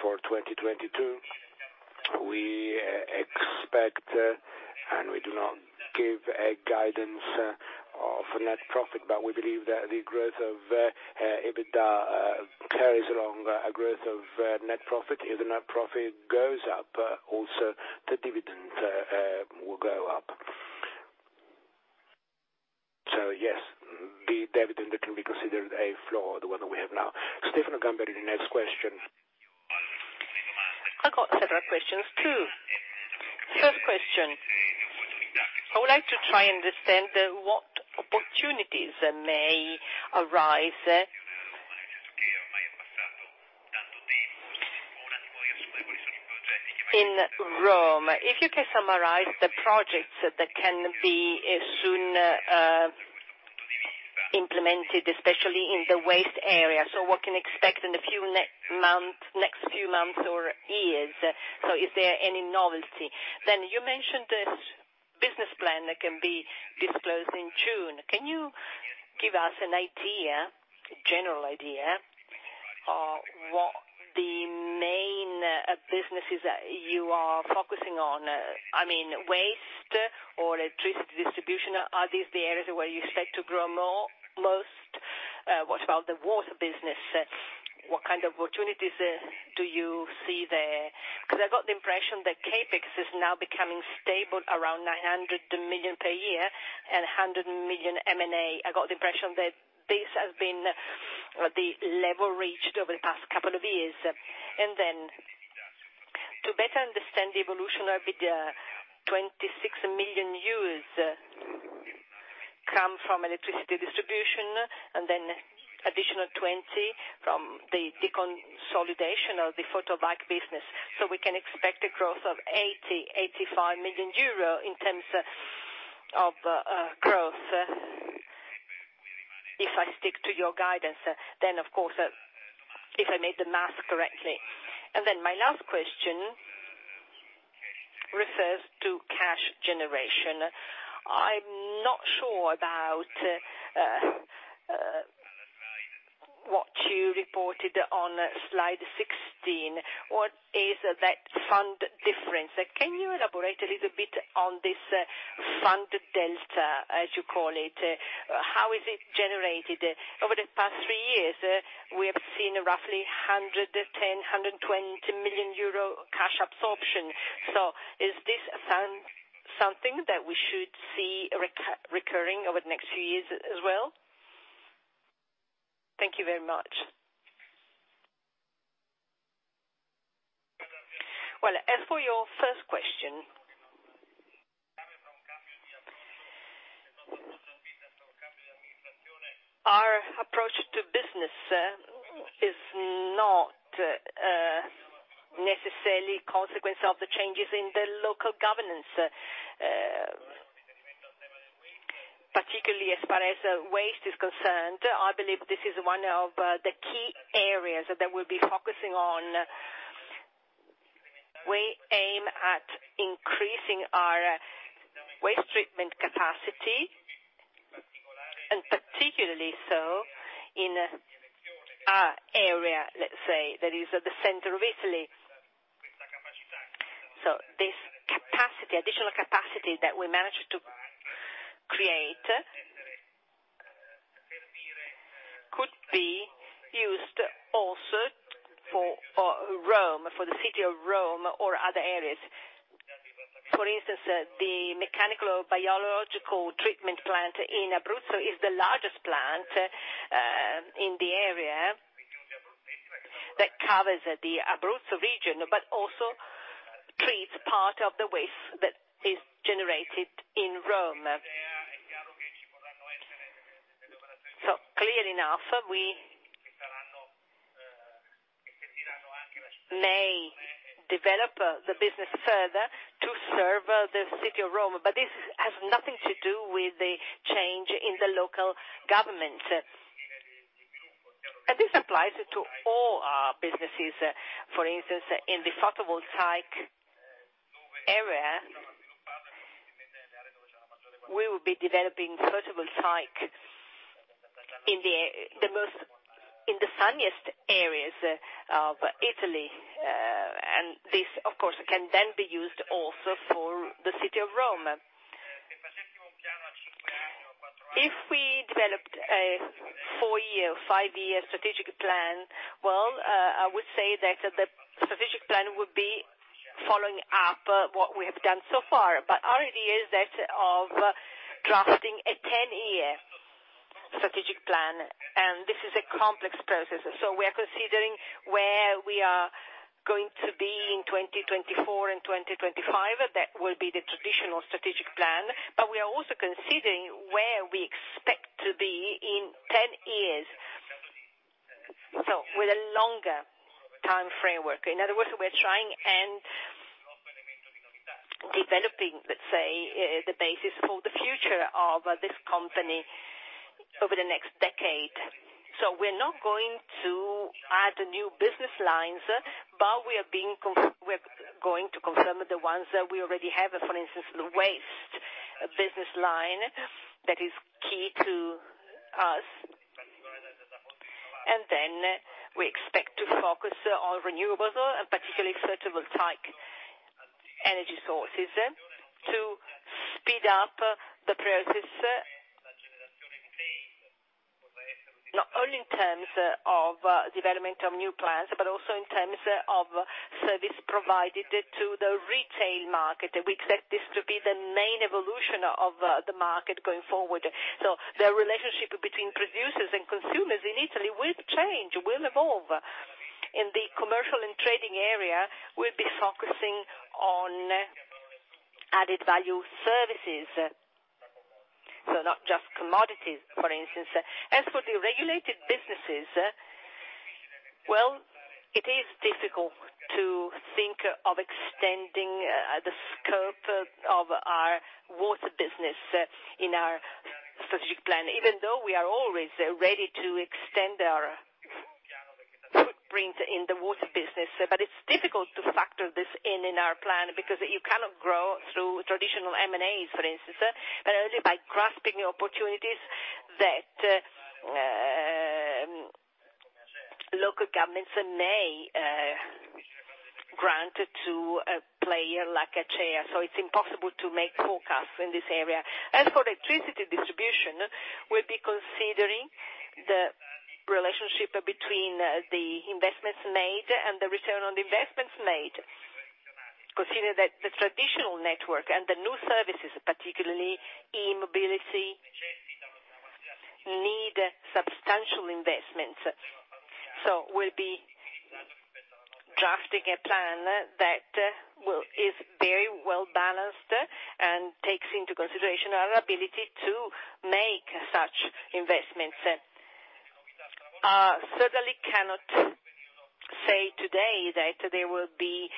for 2022. We expect and we do not give a guidance of net profit, but we believe that the growth of EBITDA carries along a growth of net profit. If the net profit goes up, also the dividend will go up. Yes, the dividend can be considered a floor, the one that we have now. Stefano Gamberini, next question. I got several questions, too. First question, I would like to try and understand what opportunities may arise in Rome. If you can summarize the projects that can be soon implemented, especially in the waste area. What can expect in the next few months or years. Is there any novelty? You mentioned this business plan that can be disclosed in June. Can you give us an idea, general idea, what the main businesses that you are focusing on? I mean, waste or electricity distribution, are these the areas where you expect to grow most? What about the water business? What kind of opportunities do you see there? Because I got the impression that CapEx is now becoming stable around 900 million per year and 100 million M&A. I got the impression that this has been the level reached over the past couple of years. To better understand the evolution of the 26 million come from electricity distribution and then additional 20 from the deconsolidation of the photovoltaic business. We can expect a growth of 80 million-85 million euro in terms of growth, if I stick to your guidance, then of course, if I made the math correctly. My last question refers to cash generation. I'm not sure about what you reported on Slide 16. What is that fund difference? Can you elaborate a little bit on this fund delta, as you call it? How is it generated? Over the past three years, we have seen roughly 110 million-120 million euro cash absorption. Is this something that we should see recurring over the next few years as well? Thank you very much. Well, as for your first question, our approach to business is not necessarily a consequence of the changes in the local governance. Particularly as far as waste is concerned, I believe this is one of the key areas that we'll be focusing on. We aim at increasing our waste treatment capacity, and particularly so in our area, let's say, that is at the center of Italy. This capacity, additional capacity that we managed to create, could be used also for Rome, for the city of Rome or other areas. For instance, the mechanical biological treatment plant in Abruzzo is the largest plant in the area that covers the Abruzzo region, but also treats part of the waste that is generated in Rome. Clearly enough, we may develop the business further to serve the city of Rome, but this has nothing to do with the change in the local government. This applies to all our businesses. For instance, in the photovoltaic area, we will be developing photovoltaic in the sunniest areas of Italy. And this, of course, can then be used also for the city of Rome. If we developed a four-year, five-year strategic plan, well, I would say that the strategic plan would be following up what we have done so far. Our idea is that of drafting a 10-year strategic plan, and this is a complex process. We are considering where we are going to be in 2024 and 2025. That will be the traditional strategic plan. We are also considering where we expect to be in 10 years, so with a longer time framework. In other words, we're trying and developing, let's say, the basis for the future of this company over the next decade. We're not going to add new business lines, but we're going to confirm the ones that we already have. For instance, the waste business line that is key to us. We expect to focus on renewables, and particularly photovoltaic energy sources, to speed up the process, not only in terms of development of new plants, but also in terms of service provided to the retail market. We expect this to be the main evolution of the market going forward. The relationship between producers and consumers in Italy will change, will evolve. In the commercial and trading area, we'll be focusing on added value services, so not just commodities, for instance. As for the regulated businesses, well, it is difficult to think of extending the scope of our water business in our strategic plan, even though we are always ready to extend our footprint in the water business. It's difficult to factor this in our plan, because you cannot grow through traditional M&As, for instance, but only by grasping opportunities that local governments may grant to a player like Acea. It's impossible to make forecasts in this area. As for electricity distribution, we'll be considering the relationship between the investments made and the return on the investments made. Consider that the traditional network and the new services, particularly e-mobility, need substantial investments. We'll be drafting a plan that is very well-balanced and takes into consideration our ability to make such investments. Certainly cannot say today that there will be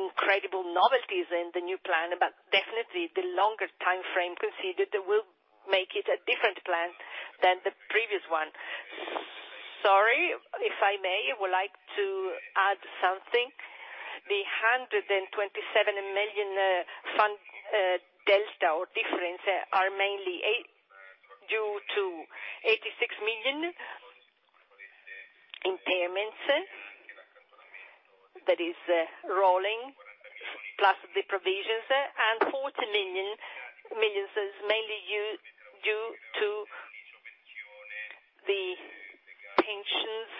incredible novelties in the new plan, but definitely the longer timeframe considered will make it a different plan than the previous one. Sorry, if I may, I would like to add something. The 127 million fund delta or difference are mainly due to 86 million impairments, that is, rolling, plus the provisions, and 40 million is mainly due to the pensions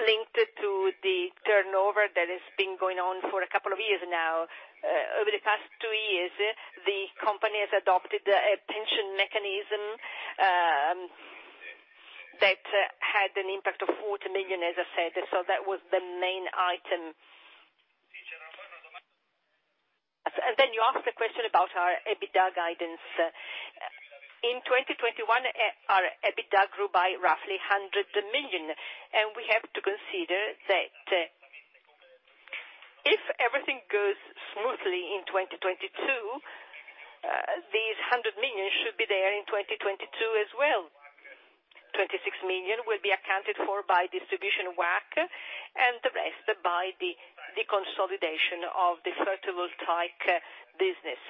linked to the turnover that has been going on for a couple of years now. Over the past two years, the company has adopted a pension mechanism that had an impact of 40 million, as I said. That was the main item. Then you asked a question about our EBITDA guidance. In 2021, our EBITDA grew by roughly 100 million, and we have to consider that, if everything goes smoothly in 2022, these 100 million should be there in 2022 as well. 26 million will be accounted for by distribution work and the rest by the deconsolidation of the photovoltaic business.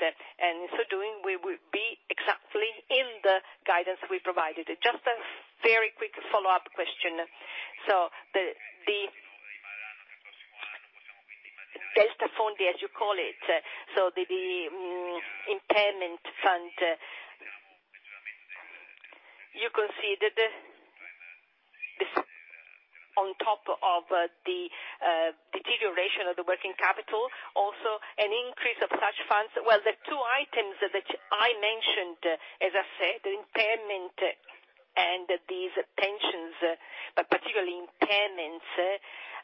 In so doing, we will be exactly in the guidance we provided. Just a very quick follow-up question. The delta fondi, as you call it, the impairment fund, you consider this on top of the deterioration of the working capital, also an increase of such funds. Well, the two items that I mentioned, as I said, the impairment and these pensions, but particularly impairments,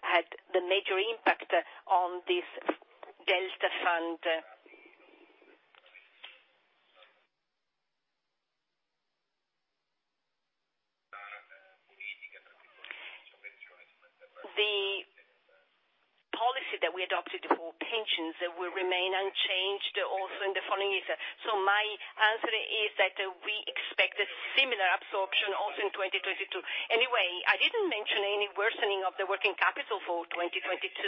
had the major impact on this delta fund. The policy that we adopted for pensions will remain unchanged also in the following years. My answer is that we expect a similar absorption also in 2022. Anyway, I didn't mention any worsening of the working capital for 2022.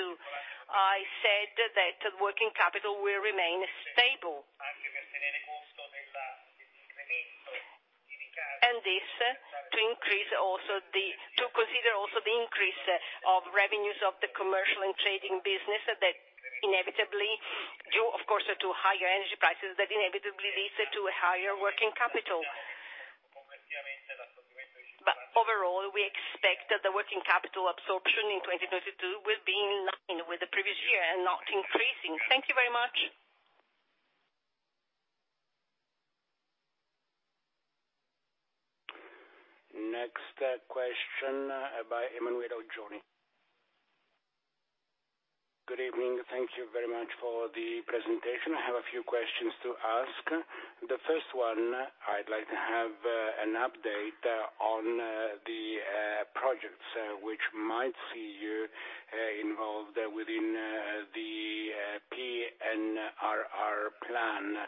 I said that working capital will remain stable. This is to increase also to consider also the increase of revenues of the commercial and trading business that is inevitably due, of course, to higher energy prices, that inevitably leads to higher working capital. Overall, we expect that the working capital absorption in 2022 will be in line with the previous year and not increasing. Thank you very much. Next, question by Emanuele Oggioni. Good evening. Thank you very much for the presentation. I have a few questions to ask. The first one, I'd like to have an update on the projects which might see you involved within the PNRR plan.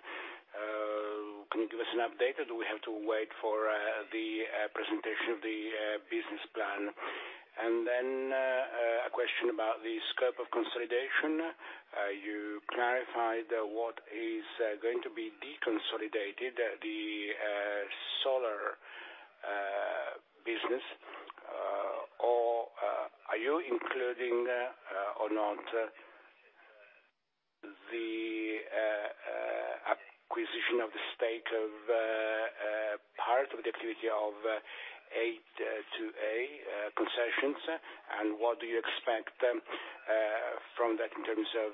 Can you give us an update, or do we have to wait for the presentation of the business plan? A question about the scope of consolidation. You clarified what is going to be deconsolidated, the solar business. Or are you including or not the acquisition of the stake of part of the activity of A2A concessions? And what do you expect from that in terms of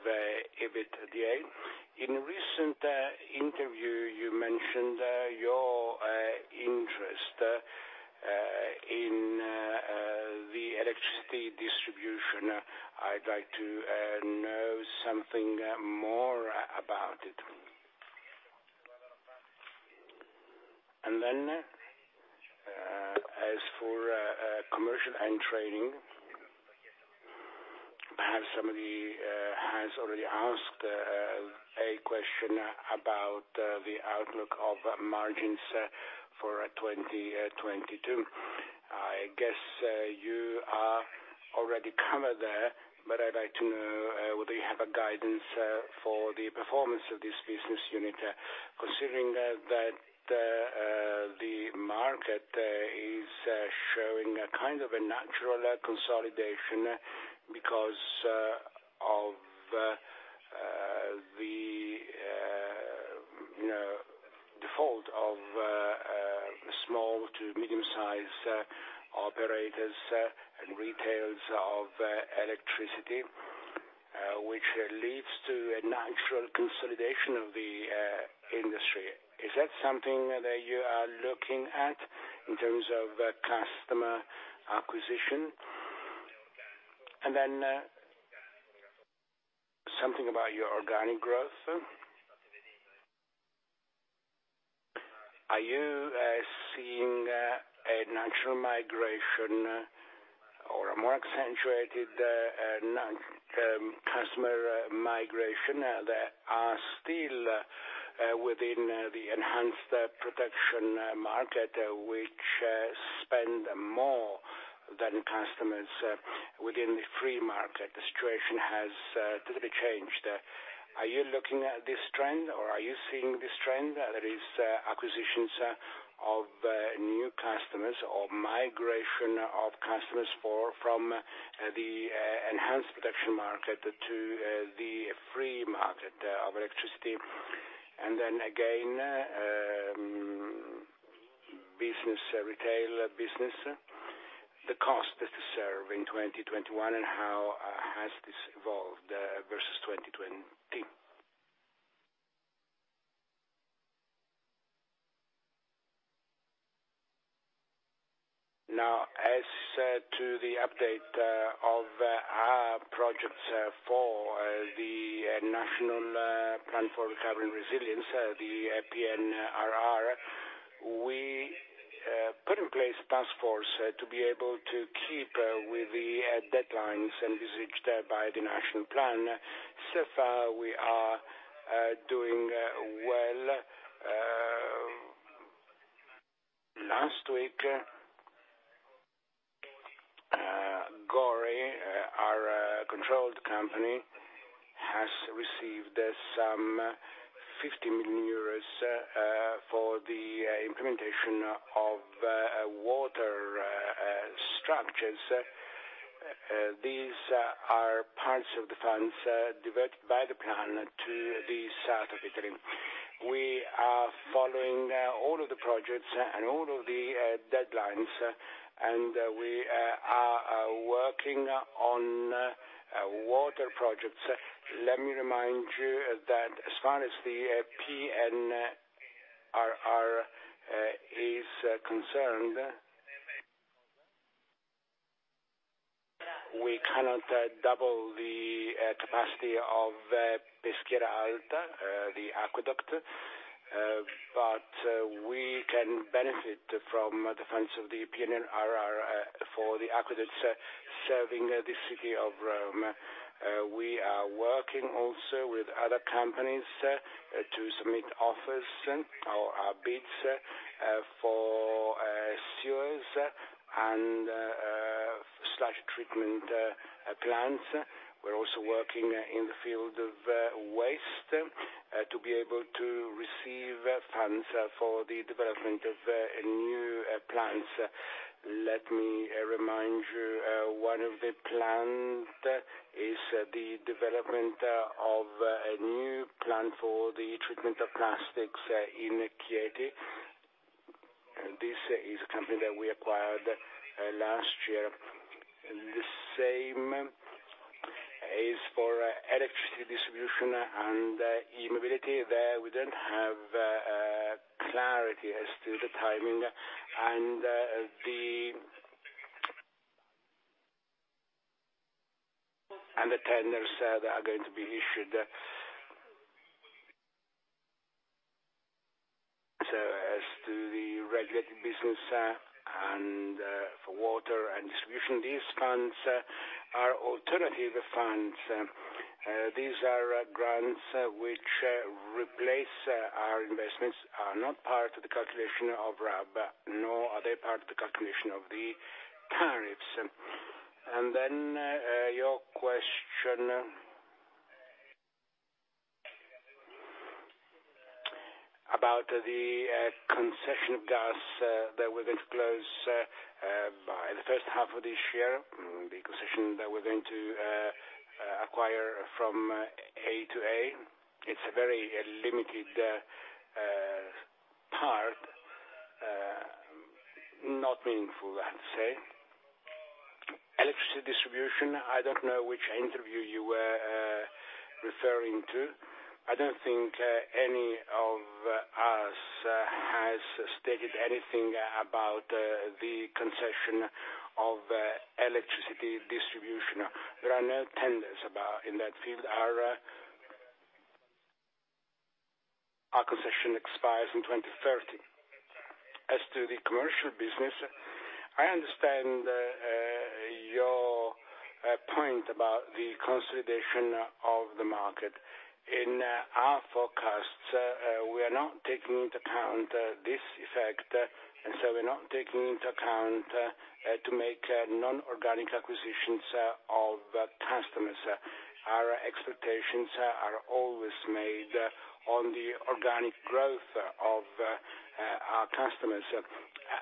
EBITDA? In a recent interview, you mentioned your interest in the electricity distribution. I'd like to know something more about it. As for commercial and trading, perhaps somebody has already asked a question about the outlook of margins for 2022. I guess you are already covered there, but I'd like to know, would they have a guidance for the performance of this business unit, considering that the market is showing a kind of a natural consolidation because of the you know, default of small to medium-size operators and retailers of electricity, which leads to a natural consolidation of the industry. Is that something that you are looking at in terms of customer acquisition? Something about your organic growth. Are you seeing a natural migration or a more accentuated non-customer migration that are still within the enhanced protection market, which spend more than customers within the free market? The situation has totally changed. Are you looking at this trend, or are you seeing this trend? That is, acquisitions of new customers or migration of customers from the enhanced protection market to the free market of electricity. Then again, business retail business, the cost to serve in 2021, and how has this evolved versus 2020? Now, as to the update of our projects for the National Recovery and Resilience Plan, the PNRR, we put in place task force to be able to keep up with the deadlines envisaged by the national plan. So far, we are doing well. Last week, GORI, our controlled company, has received some 50 million euros for the implementation of water structures. These are parts of the funds diverted by the plan to the south of Italy. We are following all of the projects and all of the deadlines, and we are working on water projects. Let me remind you that as far as the PNRR is concerned, we cannot double the capacity of Peschiera Aqueduct, but we can benefit from the funds of the PNRR for the aqueducts serving the City of Rome. We are working also with other companies to submit offers or bids for sewers and sludge treatment plants. We're also working in the field of waste to be able to receive funds for the development of new plants. Let me remind you, one of the plans is the development of a new plant for the treatment of plastics in Chieti. This is a company that we acquired last year. The same is for electricity distribution and e-mobility. There, we don't have clarity as to the timing and the tenders that are going to be issued. As to the regulated business and for water and distribution, these funds are alternative funds. These are grants which replace our investments, are not part of the calculation of RAB, nor are they part of the calculation of the tariffs. Your question about the concession of gas that we're going to close by the first half of this year, the concession that we're going to acquire from A2A, it's a very limited part, not meaningful, I'd say. Electricity distribution. I don't know which interview you were referring to. I don't think any of us has stated anything about the concession of electricity distribution. There are no tenders about in that field. Our concession expires in 2030. As to the commercial business, I understand your point about the consolidation of the market. In our forecasts, we are not taking into account this effect, and so we're not taking into account to make non-organic acquisitions of customers. Our expectations are always made on the organic growth of our customers.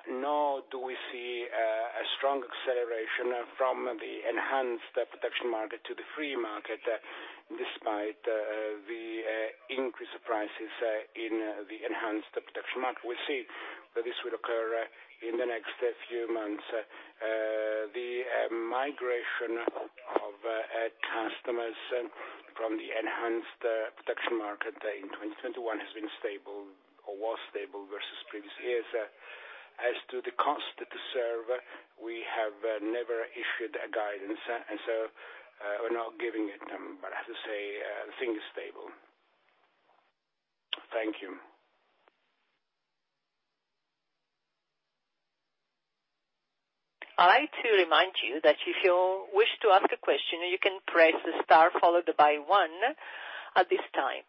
Nor do we see a strong acceleration from the enhanced protection market to the free market, despite the increased prices in the enhanced protection market. We see that this will occur in the next few months. The migration of customers from the enhanced protection market in 2021 has been stable or was stable versus previous years. As to the cost to serve, we have never issued a guidance, and so we're not giving a number. But I have to say, the thing is stable. Thank you. I'd like to remind you that if you wish to ask a question, you can press star followed by one at this time.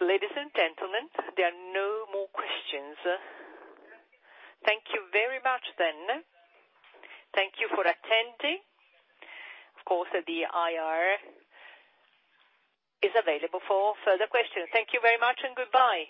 Ladies and gentlemen, there are no more questions. Thank you very much then. Thank you for attending. Of course, the IR is available for further questions. Thank you very much and goodbye.